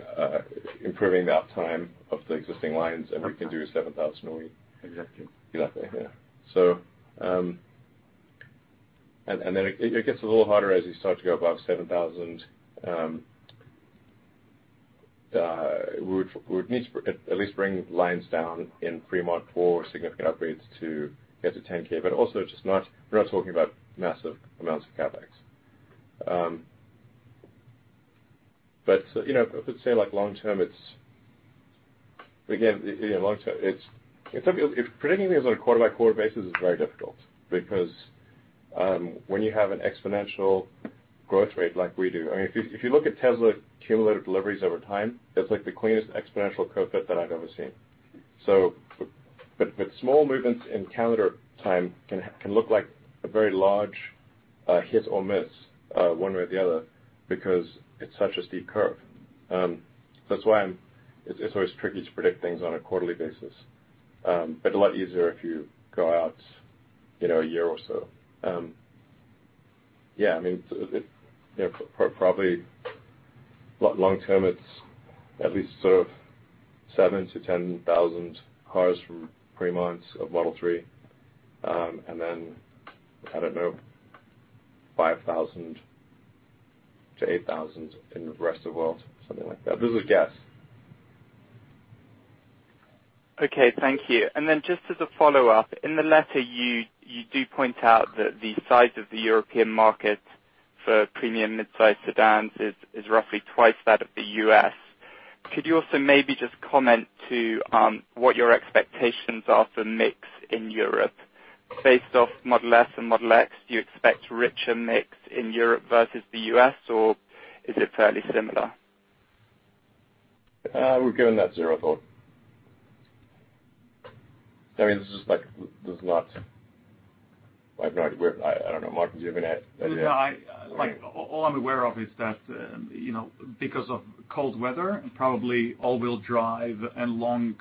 improving the uptime of the existing lines- Uptime We can do 7,000 a week. Exactly. Exactly, yeah. It gets a little harder as you start to go above 7,000. We would need to at least bring lines down in Fremont for significant upgrades to get to 10,000, but also just not talking about massive amounts of CapEx. You know, if it's, say, like long term, it's again, you know, long term, it's something if predicting these on a quarter-by-quarter basis is very difficult because when you have an exponential growth rate like we do, I mean, if you, if you look at Tesla cumulative deliveries over time, that's like the cleanest exponential curve fit that I've ever seen. Small movements in calendar time can look like a very large hit or miss one way or the other because it's such a steep curve. That's why it's always tricky to predict things on a quarterly basis. A lot easier if you go out, you know, a year or so. I mean, you know, probably long term, it's at least sort of 7,000-10,000 cars from Fremont of Model 3. I don't know, 5,000-8,000 in the rest of the world, something like that. This is a guess. Okay, thank you. Just as a follow-up, in the letter you do point out that the size of the European market for premium mid-size sedans is roughly twice that of the U.S. Could you also maybe just comment to what your expectations are for mix in Europe based off Model S and Model X? Do you expect richer mix in Europe versus the U.S., or is it fairly similar? We've given that zero thought. I mean, this is like, I have no idea where. I don't know. Martin, do you have any idea? I, like all I'm aware of is that, you know, because of cold weather and probably all-wheel drive and long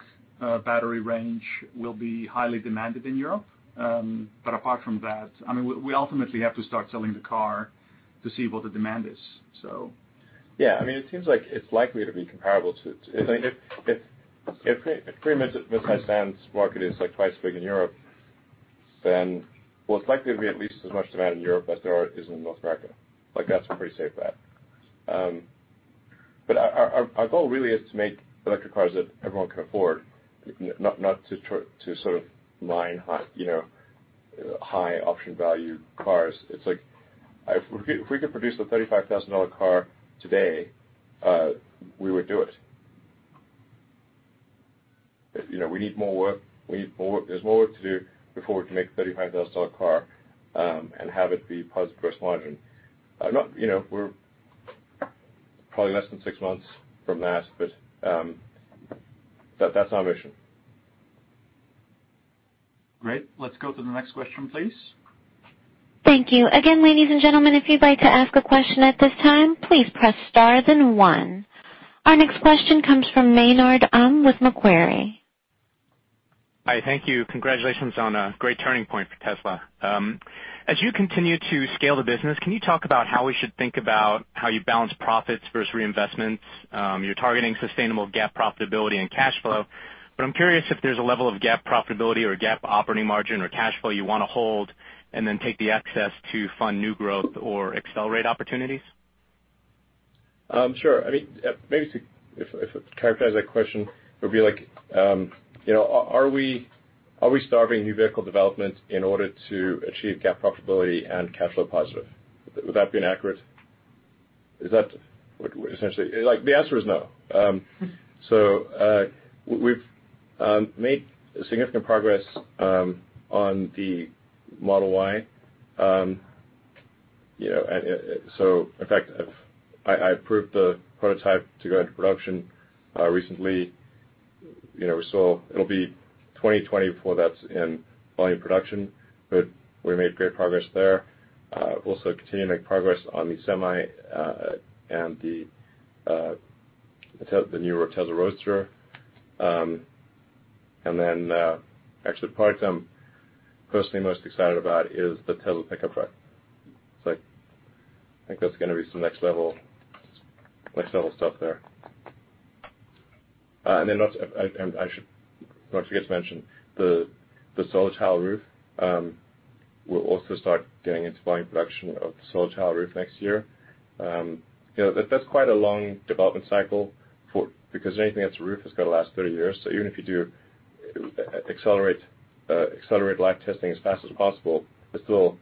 battery range will be highly demanded in Europe. Apart from that, I mean, we ultimately have to start selling the car to see what the demand is. Yeah. I mean, it seems like it's likely to be comparable to- It's like- If pre-mid, mid-size sedans market is like two times as big in Europe, well, it's likely to be at least as much demand in Europe as is in North America. Like, that's a pretty safe bet. Our goal really is to make electric cars that everyone can afford, not to sort of mine high, you know, high option value cars. It's like if we could produce a $35,000 car today, we would do it. You know, we need more work. There's more work to do before we can make a $35,000 car and have it be positive gross margin. Not, you know, we're probably less than six months from that's our mission. Great. Let's go to the next question, please. Thank you. Again, ladies and gentlemen, if you'd like to ask a question at this time, please press star then one. Our next question comes from Maynard Um with Macquarie. Hi. Thank you. Congratulations on a great turning point for Tesla. As you continue to scale the business, can you talk about how we should think about how you balance profits versus reinvestments? You're targeting sustainable GAAP profitability and cash flow, but I'm curious if there's a level of GAAP profitability or GAAP operating margin or cash flow you wanna hold and then take the excess to fund new growth or accelerate opportunities. Sure. I mean, maybe to if to characterize that question, it would be like, you know, are we, are we starving new vehicle development in order to achieve GAAP profitability and cash flow positive? Would that be inaccurate? Is that what essentially like, the answer is no. We've made significant progress on the Model Y. You know, so in fact, I've, I approved the prototype to go into production recently. You know, so it'll be 2020 before that's in volume production, but we made great progress there. Also continue to make progress on the Semi, and the newer Tesla Roadster. Actually the product I'm personally most excited about is the Tesla Pickup Truck. It's like, I think that's gonna be some next level stuff there. Also, I should not forget to mention the Solar Roof tile roof, we'll also start getting into volume production of the Solar Roof tile roof next year. You know, that's quite a long development cycle for, because anything that's a roof has got to last 30 years. Even if you do accelerate life testing as fast as possible, there's still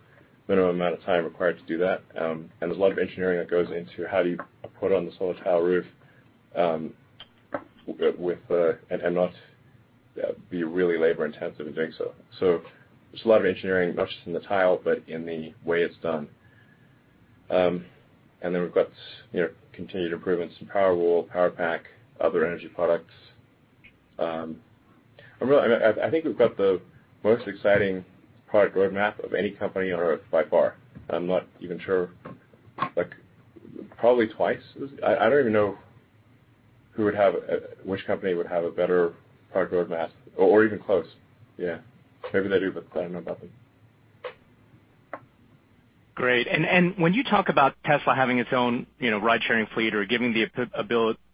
minimum amount of time required to do that. There's a lot of engineering that goes into how do you put on the Solar Roof tile roof with and not be really labor-intensive in doing so. There's a lot of engineering, not just in the tile, but in the way it's done. Then we've got, you know, continued improvements to Powerwall, Powerpack, other energy products. I think we've got the most exciting product roadmap of any company on Earth by far. I'm not even sure, like probably twice. I don't even know who would have a better product roadmap or even close. Yeah, maybe they do, but I don't know about them. Great. When you talk about Tesla having its own, you know, ridesharing fleet or giving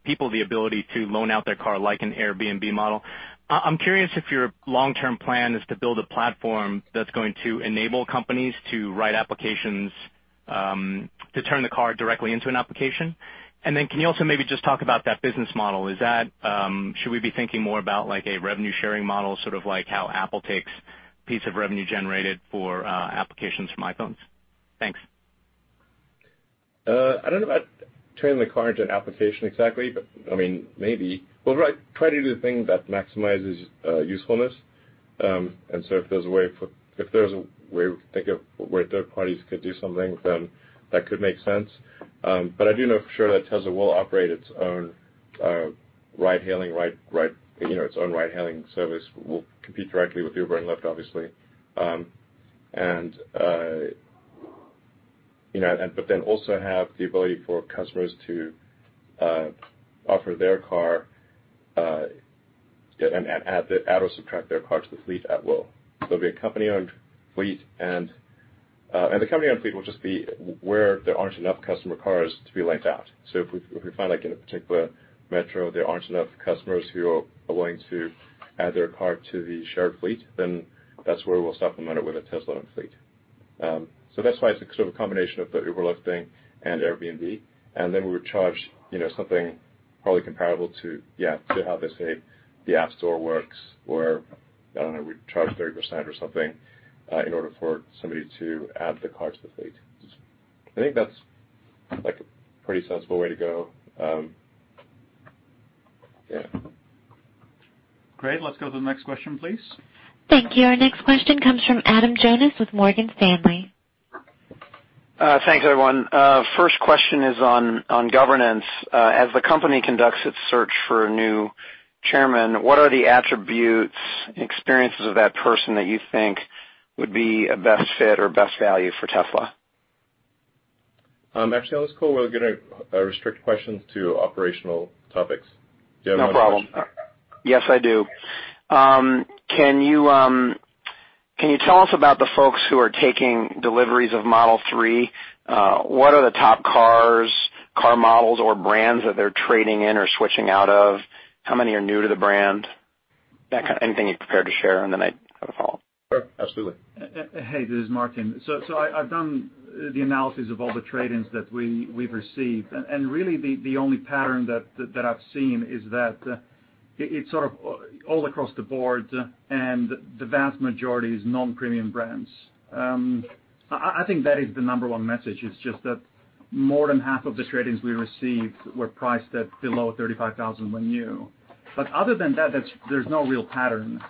people the ability to loan out their car like an Airbnb model, I'm curious if your long-term plan is to build a platform that's going to enable companies to write applications to turn the car directly into an application. Can you also maybe just talk about that business model? Is that Should we be thinking more about like a revenue-sharing model, sort of like how Apple takes piece of revenue generated for applications from iPhones? Thanks. I don't know about turning the car into an application exactly, but I mean, maybe. We'll try to do the thing that maximizes usefulness. If there's a way we can think of where third parties could do something, then that could make sense. I do know for sure that Tesla will operate its own ride-hailing, you know, its own ride-hailing service. We'll compete directly with Uber and Lyft, obviously. You know, also have the ability for customers to offer their car and add or subtract their car to the fleet at will. There'll be a company-owned fleet and the company-owned fleet will just be where there aren't enough customer cars to be lent out. If we, if we find like in a particular metro, there aren't enough customers who are willing to add their car to the shared fleet, then that's where we'll supplement it with a Tesla-owned fleet. That's why it's a sort of combination of the Uber and Lyft thing and Airbnb. Then we would charge, you know, something probably comparable to how, let's say, the App Store works where, I don't know, we charge 30% or something in order for somebody to add the car to the fleet. I think that's like a pretty sensible way to go. Great. Let's go to the next question, please. Thank you. Our next question comes from Adam Jonas with Morgan Stanley. Thanks, everyone. First question is on governance. As the company conducts its search for a new Chairman, what are the attributes and experiences of that person that you think would be a best fit or best value for Tesla? Actually, on this call, we're going to restrict questions to operational topics. No problem. Yes, I do. Can you tell us about the folks who are taking deliveries of Model 3? What are the top cars, car models or brands that they're trading in or switching out of? How many are new to the brand? Anything you're prepared to share, and then I have a follow-up. Sure. Absolutely. This is Martin. I've done the analysis of all the trade-ins that we've received. Really the only pattern that I've seen is that it's sort of all across the board and the vast majority is non-premium brands. I think that is the number one message is just that more than half of the trade-ins we received were priced at below $35,000 when new. Other than that, there's no real pattern.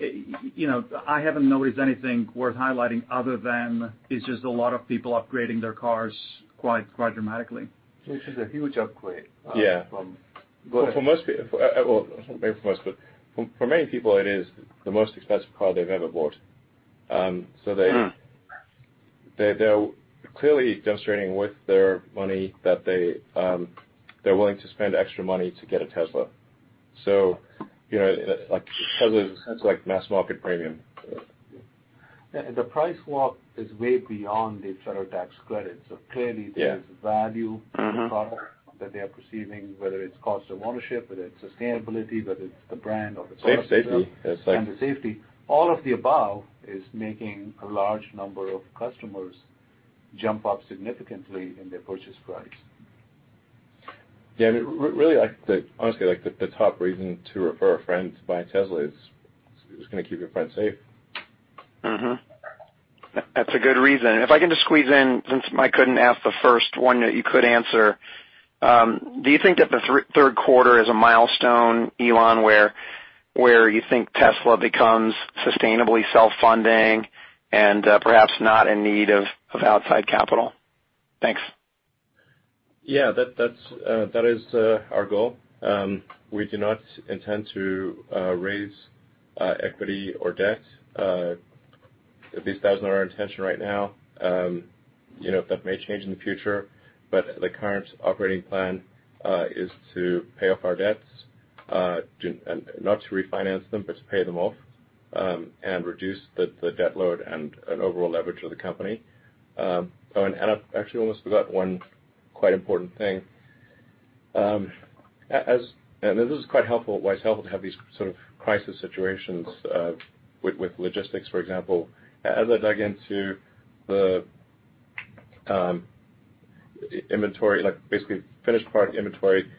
You know, I haven't noticed anything worth highlighting other than it's just a lot of people upgrading their cars quite dramatically. Which is a huge upgrade. Yeah. -from- For most people. Well, maybe for most, but for many people, it is the most expensive car they've ever bought. They're clearly demonstrating with their money that they're willing to spend extra money to get a Tesla. You know, like, Tesla is, it's like mass-market premium. Yeah. The price walk is way beyond the Federal Tax Credit. Clearly. Yeah. there's value. To the product that they are perceiving, whether it's cost of ownership, whether it's sustainability, whether it's the brand or the safety. Safety. The safety. All of the above is making a large number of customers jump up significantly in their purchase price. Yeah, I mean, really, like, honestly, like, the top reason to refer a friend to buy a Tesla is it's gonna keep your friend safe. That's a good reason. If I can just squeeze in, since I couldn't ask the first one that you could answer, do you think that the third quarter is a milestone, Elon, where you think Tesla becomes sustainably self-funding and perhaps not in need of outside capital? Thanks. Yeah, that's our goal. We do not intend to raise equity or debt. At least that's not our intention right now. You know, that may change in the future, but the current operating plan is to pay off our debts and not to refinance them, but to pay them off and reduce the debt load and overall leverage of the company. Oh, and I actually almost forgot one quite important thing. This is quite helpful. Well, it's helpful to have these sort of crisis situations with logistics, for example. As I dug into the inventory, like basically finished part inventory,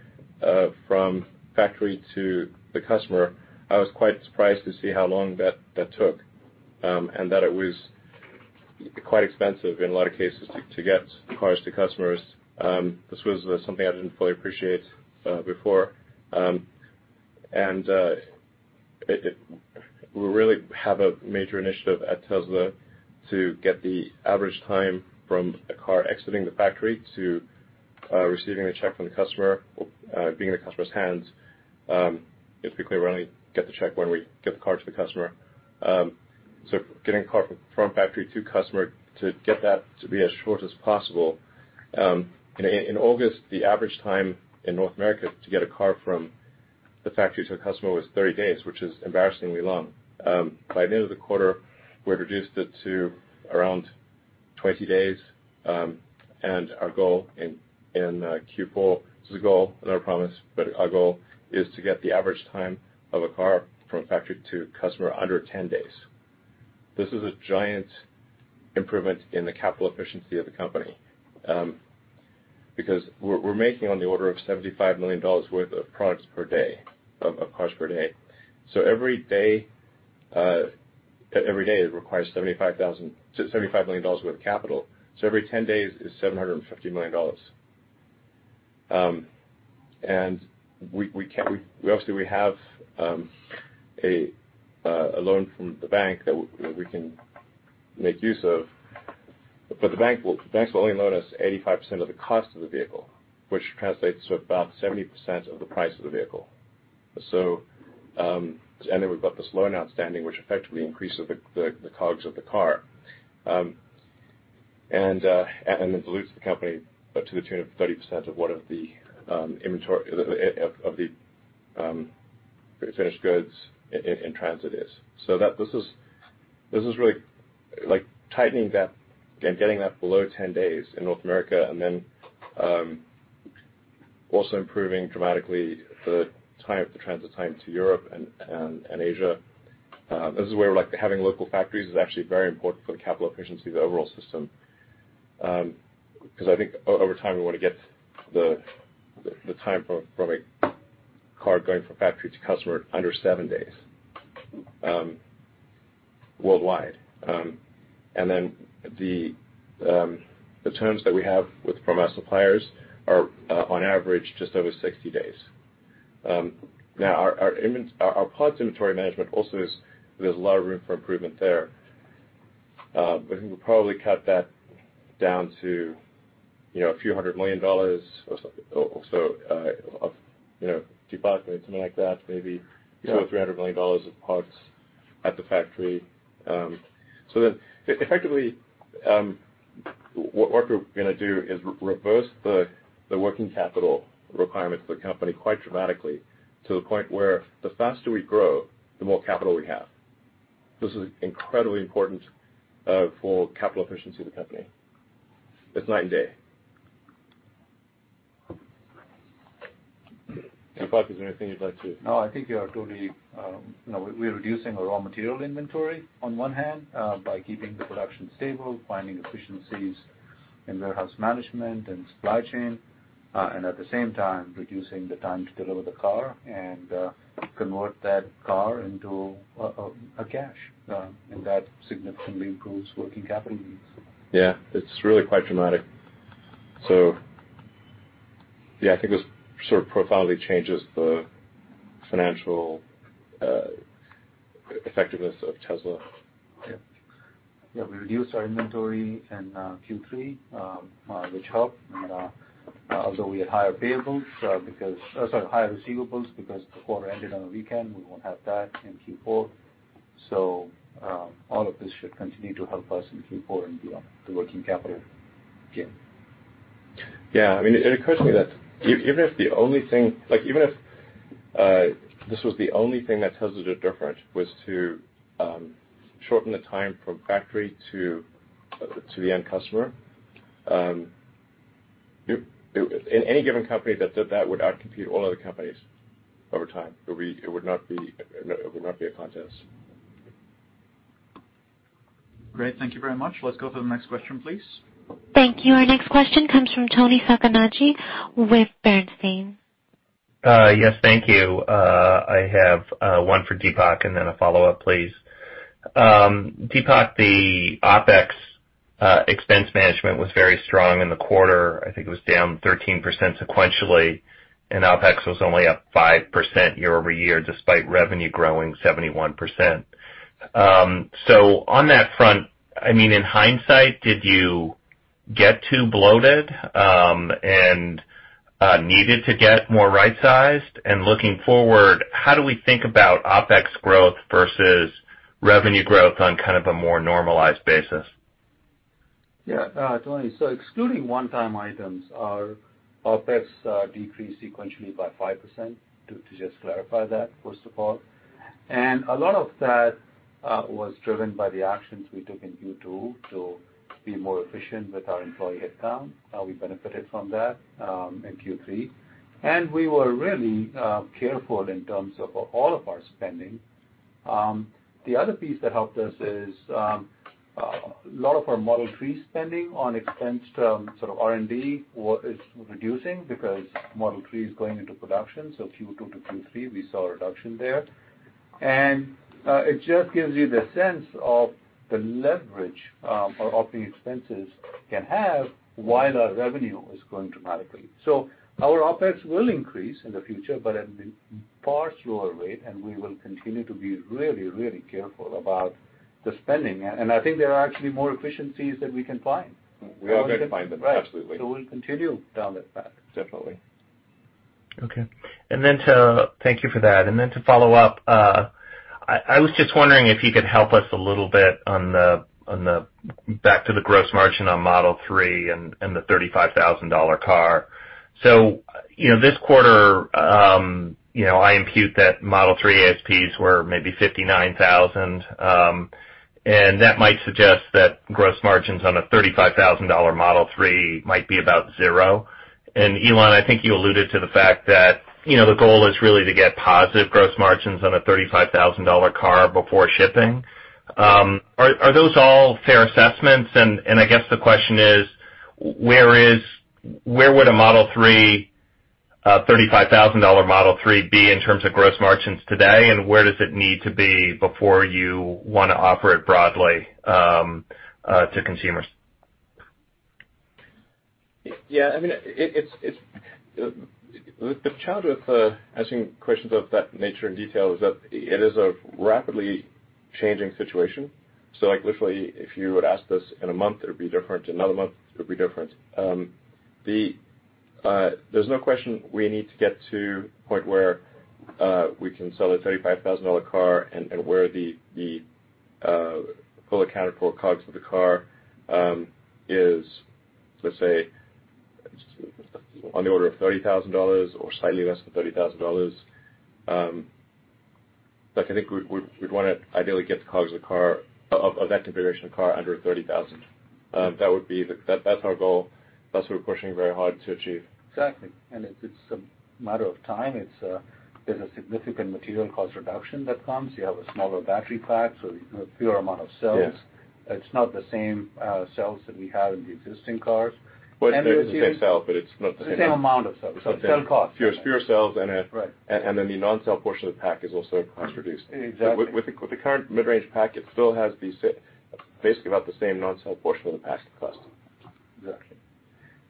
from factory to the customer, I was quite surprised to see how long that took, and that it was quite expensive in a lot of cases to get cars to customers. This was something I didn't fully appreciate before. We really have a major initiative at Tesla to get the average time from a car exiting the factory to receiving a check from the customer or being in the customer's hands, if we could really get the check when we get the car to the customer. Getting a car from factory to customer to get that to be as short as possible. In August, the average time in North America to get a car from the factory to a customer was 30 days, which is embarrassingly long. By the end of the quarter, we reduced it to around 20 days, and our goal in Q4, this is a goal, not a promise, but our goal is to get the average time of a car from factory to customer under 10 days. This is a giant improvement in the capital efficiency of the company, because we're making on the order of $75 million worth of products per day, of cars per day. Every day it requires $75 million worth of capital. Every 10 days is $750 million. Obviously, we have a loan from the bank that we can make use of. The banks will only loan us 85% of the cost of the vehicle, which translates to about 70% of the price of the vehicle. We've got this loan outstanding, which effectively increases the COGS of the car and dilutes the company to the tune of 30% of what of the inventory of the finished goods in transit is. This is really like tightening that and getting that below 10 days in North America and also improving dramatically the time, the transit time to Europe and Asia. This is where like having local factories is actually very important for the capital efficiency of the overall system. Because I think over time, we want to get the time from a car going from factory to customer under seven days worldwide. And then the terms that we have from our suppliers are on average just over 60 days. Now our parts inventory management also is, there's a lot of room for improvement there. But we'll probably cut that down to, you know, a few hundred million dollars or so, you know, Deepak, something like that, maybe $200 million or $300 million of parts at the factory. Effectively, what we're gonna do is reverse the working capital requirements of the company quite dramatically to the point where the faster we grow, the more capital we have. This is incredibly important for capital efficiency of the company. It's night and day. Deepak, is there anything you'd like to? No, I think you are totally, You know, we're reducing our raw material inventory on one hand, by keeping the production stable, finding efficiencies in warehouse management and supply chain, and at the same time, reducing the time to deliver the car and convert that car into a cash, and that significantly improves working capital needs. Yeah, it's really quite dramatic. Yeah, I think this sort of profoundly changes the financial effectiveness of Tesla. Yeah. Yeah, we reduced our inventory in Q3, which helped. Although we had higher payables, higher receivables because the quarter ended on a weekend, we won't have that in Q4. All of this should continue to help us in Q4 and beyond the working capital gain. I mean, it occurs to me that even if the only thing, like even if this was the only thing that Tesla did different was to shorten the time from factory to the end customer, any given company that did that would outcompete all other companies over time. It would not be a contest. Great. Thank you very much. Let's go to the next question, please. Thank you. Our next question comes from Toni Sacconaghi with Bernstein. Yes, thank you. I have one for Deepak and then a follow-up, please. Deepak, the OpEx expense management was very strong in the quarter. I think it was down 13% sequentially, and OpEx was only up 5% year-over-year, despite revenue growing 71%. On that front, I mean, in hindsight, did you get too bloated and needed to get more right-sized? Looking forward, how do we think about OpEx growth versus revenue growth on kind of a more normalized basis? Toni. Excluding one-time items, our OpEx decreased sequentially by 5%, to just clarify that, first of all. A lot of that was driven by the actions we took in Q2 to be more efficient with our employee headcount. We benefited from that in Q3. We were really careful in terms of all of our spending. The other piece that helped us is a lot of our Model 3 spending on expense term, sort of R&D is reducing because Model 3 is going into production. Q2 to Q3, we saw a reduction there. It just gives you the sense of the leverage of operating expenses can have while our revenue is growing dramatically. Our OpEx will increase in the future, but at a far slower rate, and we will continue to be really careful about the spending. I think there are actually more efficiencies that we can find. We are going to find them, absolutely. Right. We'll continue down that path. Definitely. Okay. Thank you for that. Then to follow up, you know, I was just wondering if you could help us a little bit on the back to the gross margin on Model 3 and the $35,000 car. You know, this quarter, you know, I impute that Model 3 ASPs were maybe $59,000, and that might suggest that gross margins on a $35,000 Model 3 might be about zero. Elon, I think you alluded to the fact that, you know, the goal is really to get positive gross margins on a $35,000 car before shipping. Are those all fair assessments? I guess the question is, where would a Model 3, $35,000 Model 3 be in terms of gross margins today, and where does it need to be before you wanna offer it broadly to consumers? Yeah, I mean, the challenge with asking questions of that nature and detail is that it is a rapidly changing situation. Like, literally, if you would ask this in a month, it would be different. In another month, it would be different. There's no question we need to get to a point where we can sell a $35,000 car and where the full accounted for COGS of the car is, let's say, on the order of $30,000 or slightly less than $30,000. Like, I think we'd wanna ideally get the COGS of the car, of that configuration car under $30,000. That's our goal. That's what we're pushing very hard to achieve. Exactly. It's, it's a matter of time. It's, there's a significant material cost reduction that comes. You have a smaller battery pack, so you can have a fewer amount of cells. Yeah. It's not the same, cells that we have in the existing cars. Well, it's the same cell, but it's not the same. The same amount of cells, so cell cost. Fewer cells. Right. The non-cell portion of the pack is also cost reduced. Exactly. With the current mid-range pack, it still has basically about the same non-cell portion of the pack cost. Exactly.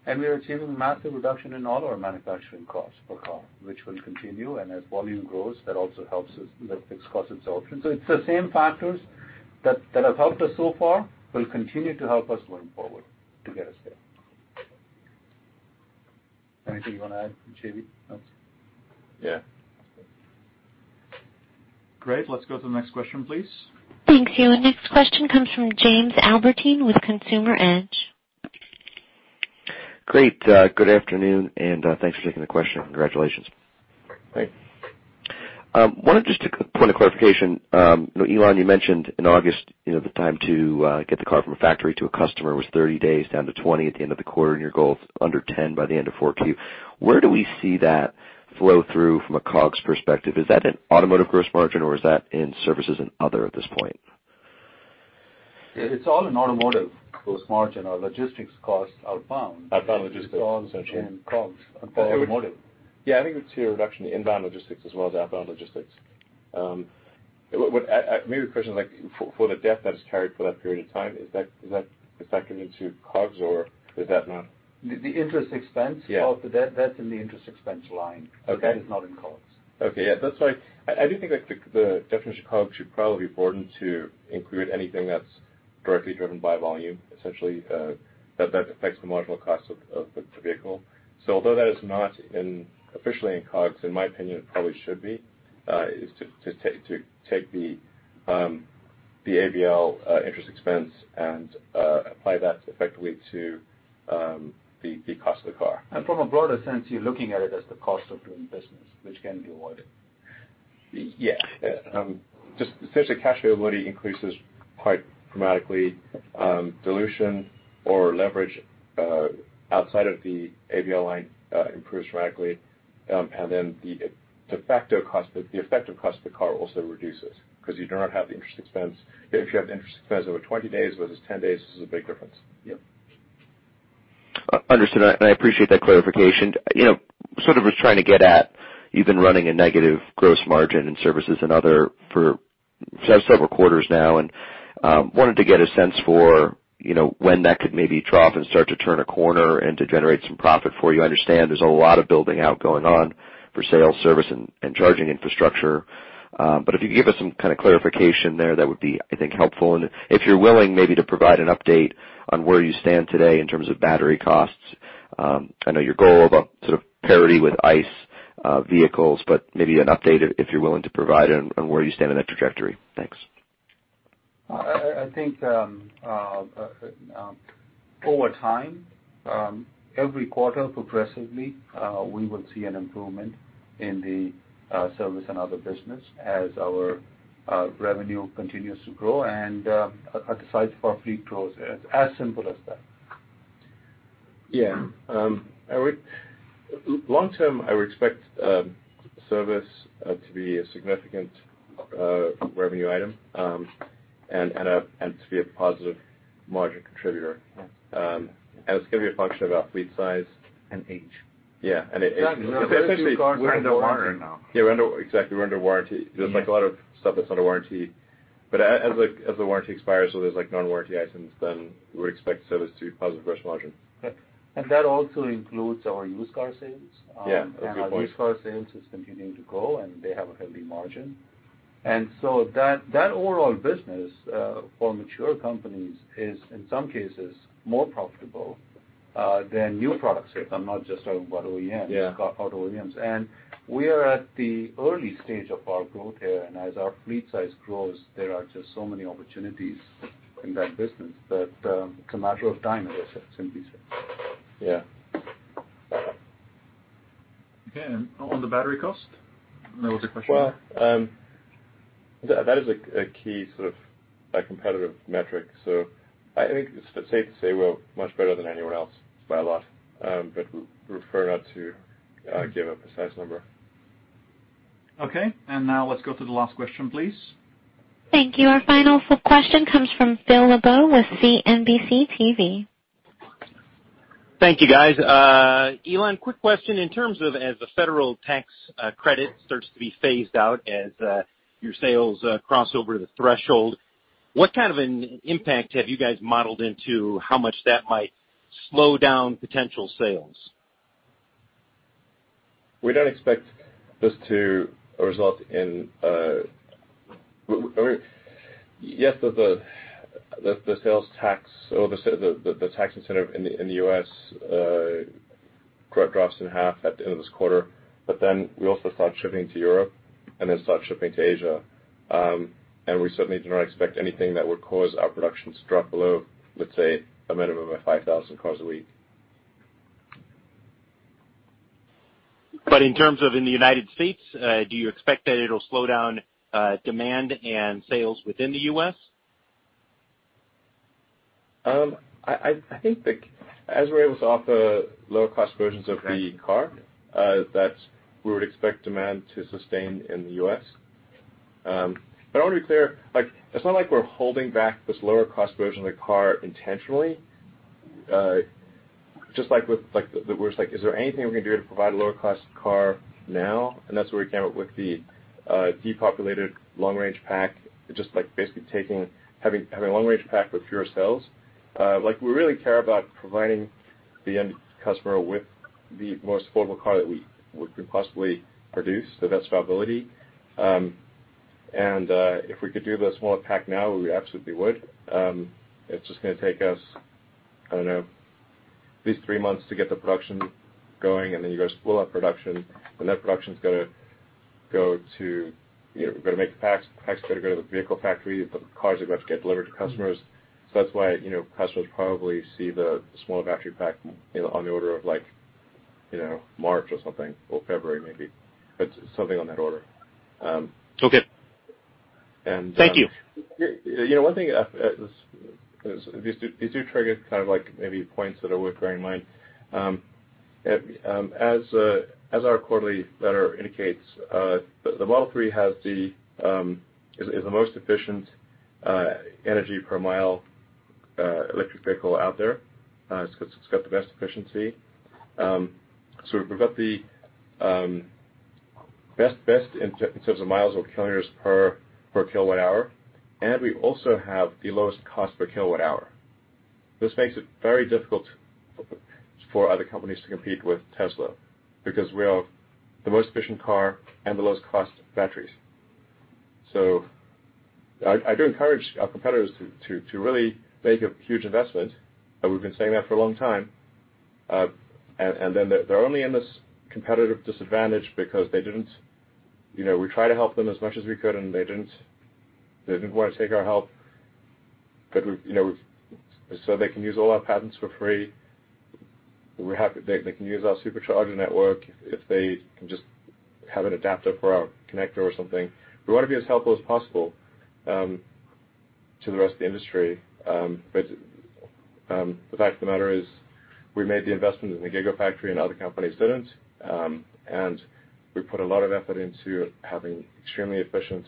We are achieving massive reduction in all our manufacturing costs per car, which will continue. As volume grows, that also helps us with the fixed cost itself. It's the same factors that have helped us so far will continue to help us going forward to get us there. Anything you wanna add, JB? Yeah. Great. Let's go to the next question, please. Thanks, Haley. Next question comes from Jamie Albertine with Consumer Edge. Great. Good afternoon, and thanks for taking the question. Congratulations. Great. Wanted just a point of clarification. You know, Elon, you mentioned in August, you know, the time to get the car from a factory to a customer was 30 days down to 20 at the end of the quarter, and your goal's under 10 by the end of Q4. Where do we see that flow through from a COGS perspective? Is that in automotive gross margin, or is that in services and other at this point? It's all in automotive gross margin. Our logistics costs outbound. Outbound logistics, essentially. It's all in COGS and for automotive. Yeah, I think we'll see a reduction in inbound logistics as well as outbound logistics. What, maybe the question is like, for the debt that is carried for that period of time, is that coming into COGS or is that not? The interest expense. Yeah. of the debt, that's in the interest expense line. Okay. That is not in COGS. That's why I do think that the definition of COGS should probably be broadened to include anything that's directly driven by volume, essentially, that affects the marginal cost of the vehicle. Although that is not officially in COGS, in my opinion, it probably should be, is to take the ABL interest expense and apply that effectively to the cost of the car. From a broader sense, you're looking at it as the cost of doing business, which can be avoided. Yeah. Just essentially cash flow ability increases quite dramatically. Dilution or leverage outside of the ABL line improves dramatically. The de facto cost, the effective cost of the car also reduces because you do not have the interest expense. If you have the interest expense over 20 days versus 10 days, this is a big difference. Yep. Understood. I appreciate that clarification. You know, sort of was trying to get at, you've been running a negative gross margin in services and other for several quarters now, and wanted to get a sense for, you know, when that could maybe drop and start to turn a corner and to generate some profit for you. I understand there's a lot of building out going on for sales, service, and charging infrastructure. If you could give us some kind of clarification there, that would be, I think, helpful. If you're willing maybe to provide an update on where you stand today in terms of battery costs, I know your goal about sort of parity with ICE vehicles, but maybe an update if you're willing to provide on where you stand in that trajectory. Thanks. I think, over time, every quarter progressively, we will see an improvement in the service and other business as our revenue continues to grow and, at the size of our fleet grows. It's as simple as that. Yeah. I would long term, I would expect service to be a significant revenue item, and to be a positive margin contributor. Yeah. It's gonna be a function of our fleet size. Age. Yeah, and age. Essentially, we're under warranty now. Yeah, exactly, we're under warranty. There's like a lot of stuff that's under warranty. As the warranty expires, there's like non-warranty items, we would expect service to be positive gross margin. Okay. That also includes our used car sales. Yeah, a good point. Our used car sales is continuing to grow, and they have a healthy margin. So that overall business for mature companies is, in some cases, more profitable than new product sales. I'm not just talking about OEMs. Yeah car, auto OEMs. We are at the early stage of our growth here. As our fleet size grows, there are just so many opportunities in that business. It's a matter of time, I guess, simply said. Yeah. Okay. On the battery cost? That was the question. Well, that is a key sort of, like, competitive metric. I think it's safe to say we're much better than anyone else by a lot. We prefer not to give a precise number. Okay. Now let's go to the last question, please. Thank you. Our final question comes from Phil LeBeau with CNBC TV. Thank you, guys. Elon, quick question. In terms of as the Federal Tax Credit starts to be phased out, as your sales cross over the threshold, what kind of an impact have you guys modeled into how much that might slow down potential sales? We don't expect this to result in. Yes, the sales tax or the tax incentive in the U.S., credit drops in half at the end of this quarter. We also start shipping to Europe and then start shipping to Asia. We certainly do not expect anything that would cause our production to drop below, let's say, a minimum of 5,000 cars a week. In terms of in the U.S., do you expect that it'll slow down, demand and sales within the U.S.? As we're able to offer lower cost versions of the car. Okay. We would expect demand to sustain in the U.S. I wanna be clear, like, it's not like we're holding back this lower cost version of the car intentionally. We're just like, is there anything we can do to provide a lower cost car now? That's where we came up with the depopulated Long Range Pack, just like basically taking, having a Long Range Pack with fewer cells. Like, we really care about providing the end customer with the most affordable car that we can possibly produce, the best viability. If we could do the smaller pack now, we absolutely would. It's just gonna take us, I don't know, at least three months to get the production going, and then you gotta spool up production. That production's gotta go to, you know, we've gotta make the packs. Packs gotta go to the vehicle factory. The cars are going to get delivered to customers. That's why, you know, customers probably see the smaller battery pack on the order of like, you know, March or something, or February maybe. Something on that order. Okay. And, um- Thank you. You know, one thing, these do trigger kind of like maybe points that are worth bearing in mind. As our quarterly letter indicates, the Model 3 has the most efficient energy per mile electric vehicle out there, 'cause it's got the best efficiency. We've got the best in terms of miles or kilometers per kWh, and we also have the lowest cost per kWh. This makes it very difficult for other companies to compete with Tesla because we are the most efficient car and the lowest cost batteries. I do encourage our competitors to really make a huge investment, and we've been saying that for a long time. They're only in this competitive disadvantage because they didn't. You know, we tried to help them as much as we could, and they didn't wanna take our help. They can use all our patents for free. They can use our Supercharger network if they can just have an adapter for our connector or something. We wanna be as helpful as possible to the rest of the industry. The fact of the matter is we made the investment in the Gigafactory and other companies didn't, and we put a lot of effort into having extremely efficient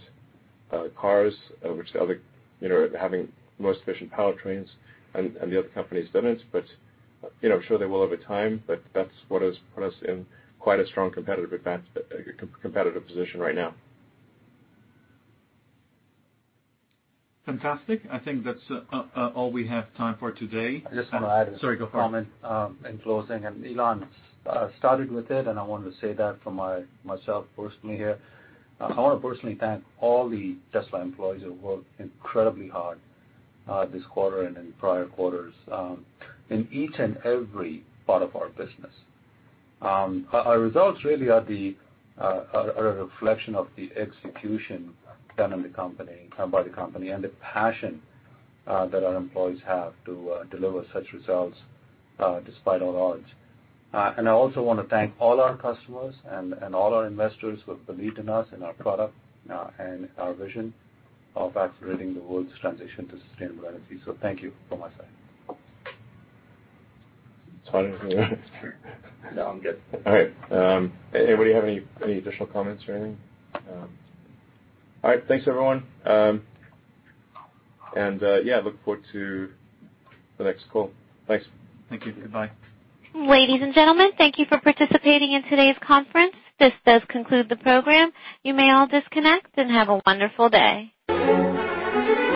cars, which the other, you know, having the most efficient powertrains and the other companies didn't. You know, I'm sure they will over time, but that's what has put us in quite a strong competitive advantage, competitive position right now. Fantastic. I think that's all we have time for today. I just wanna add a comment. Sorry, go for it. in closing. Elon started with it, and I wanted to say that for myself personally here. I wanna personally thank all the Tesla employees who worked incredibly hard this quarter and in prior quarters in each and every part of our business. Our results really are the are a reflection of the execution done in the company by the company and the passion that our employees have to deliver such results despite all odds. I also wanna thank all our customers and all our investors who have believed in us and our product and our vision of accelerating the world's transition to sustainable energy. Thank you from my side. JB, anything? No, I'm good. All right. Anybody have any additional comments or anything? All right. Thanks, everyone. Yeah, look forward to the next call. Thanks. Thank you. Goodbye. Ladies and gentlemen, thank you for participating in today's conference. This does conclude the program. You may all disconnect, and have a wonderful day.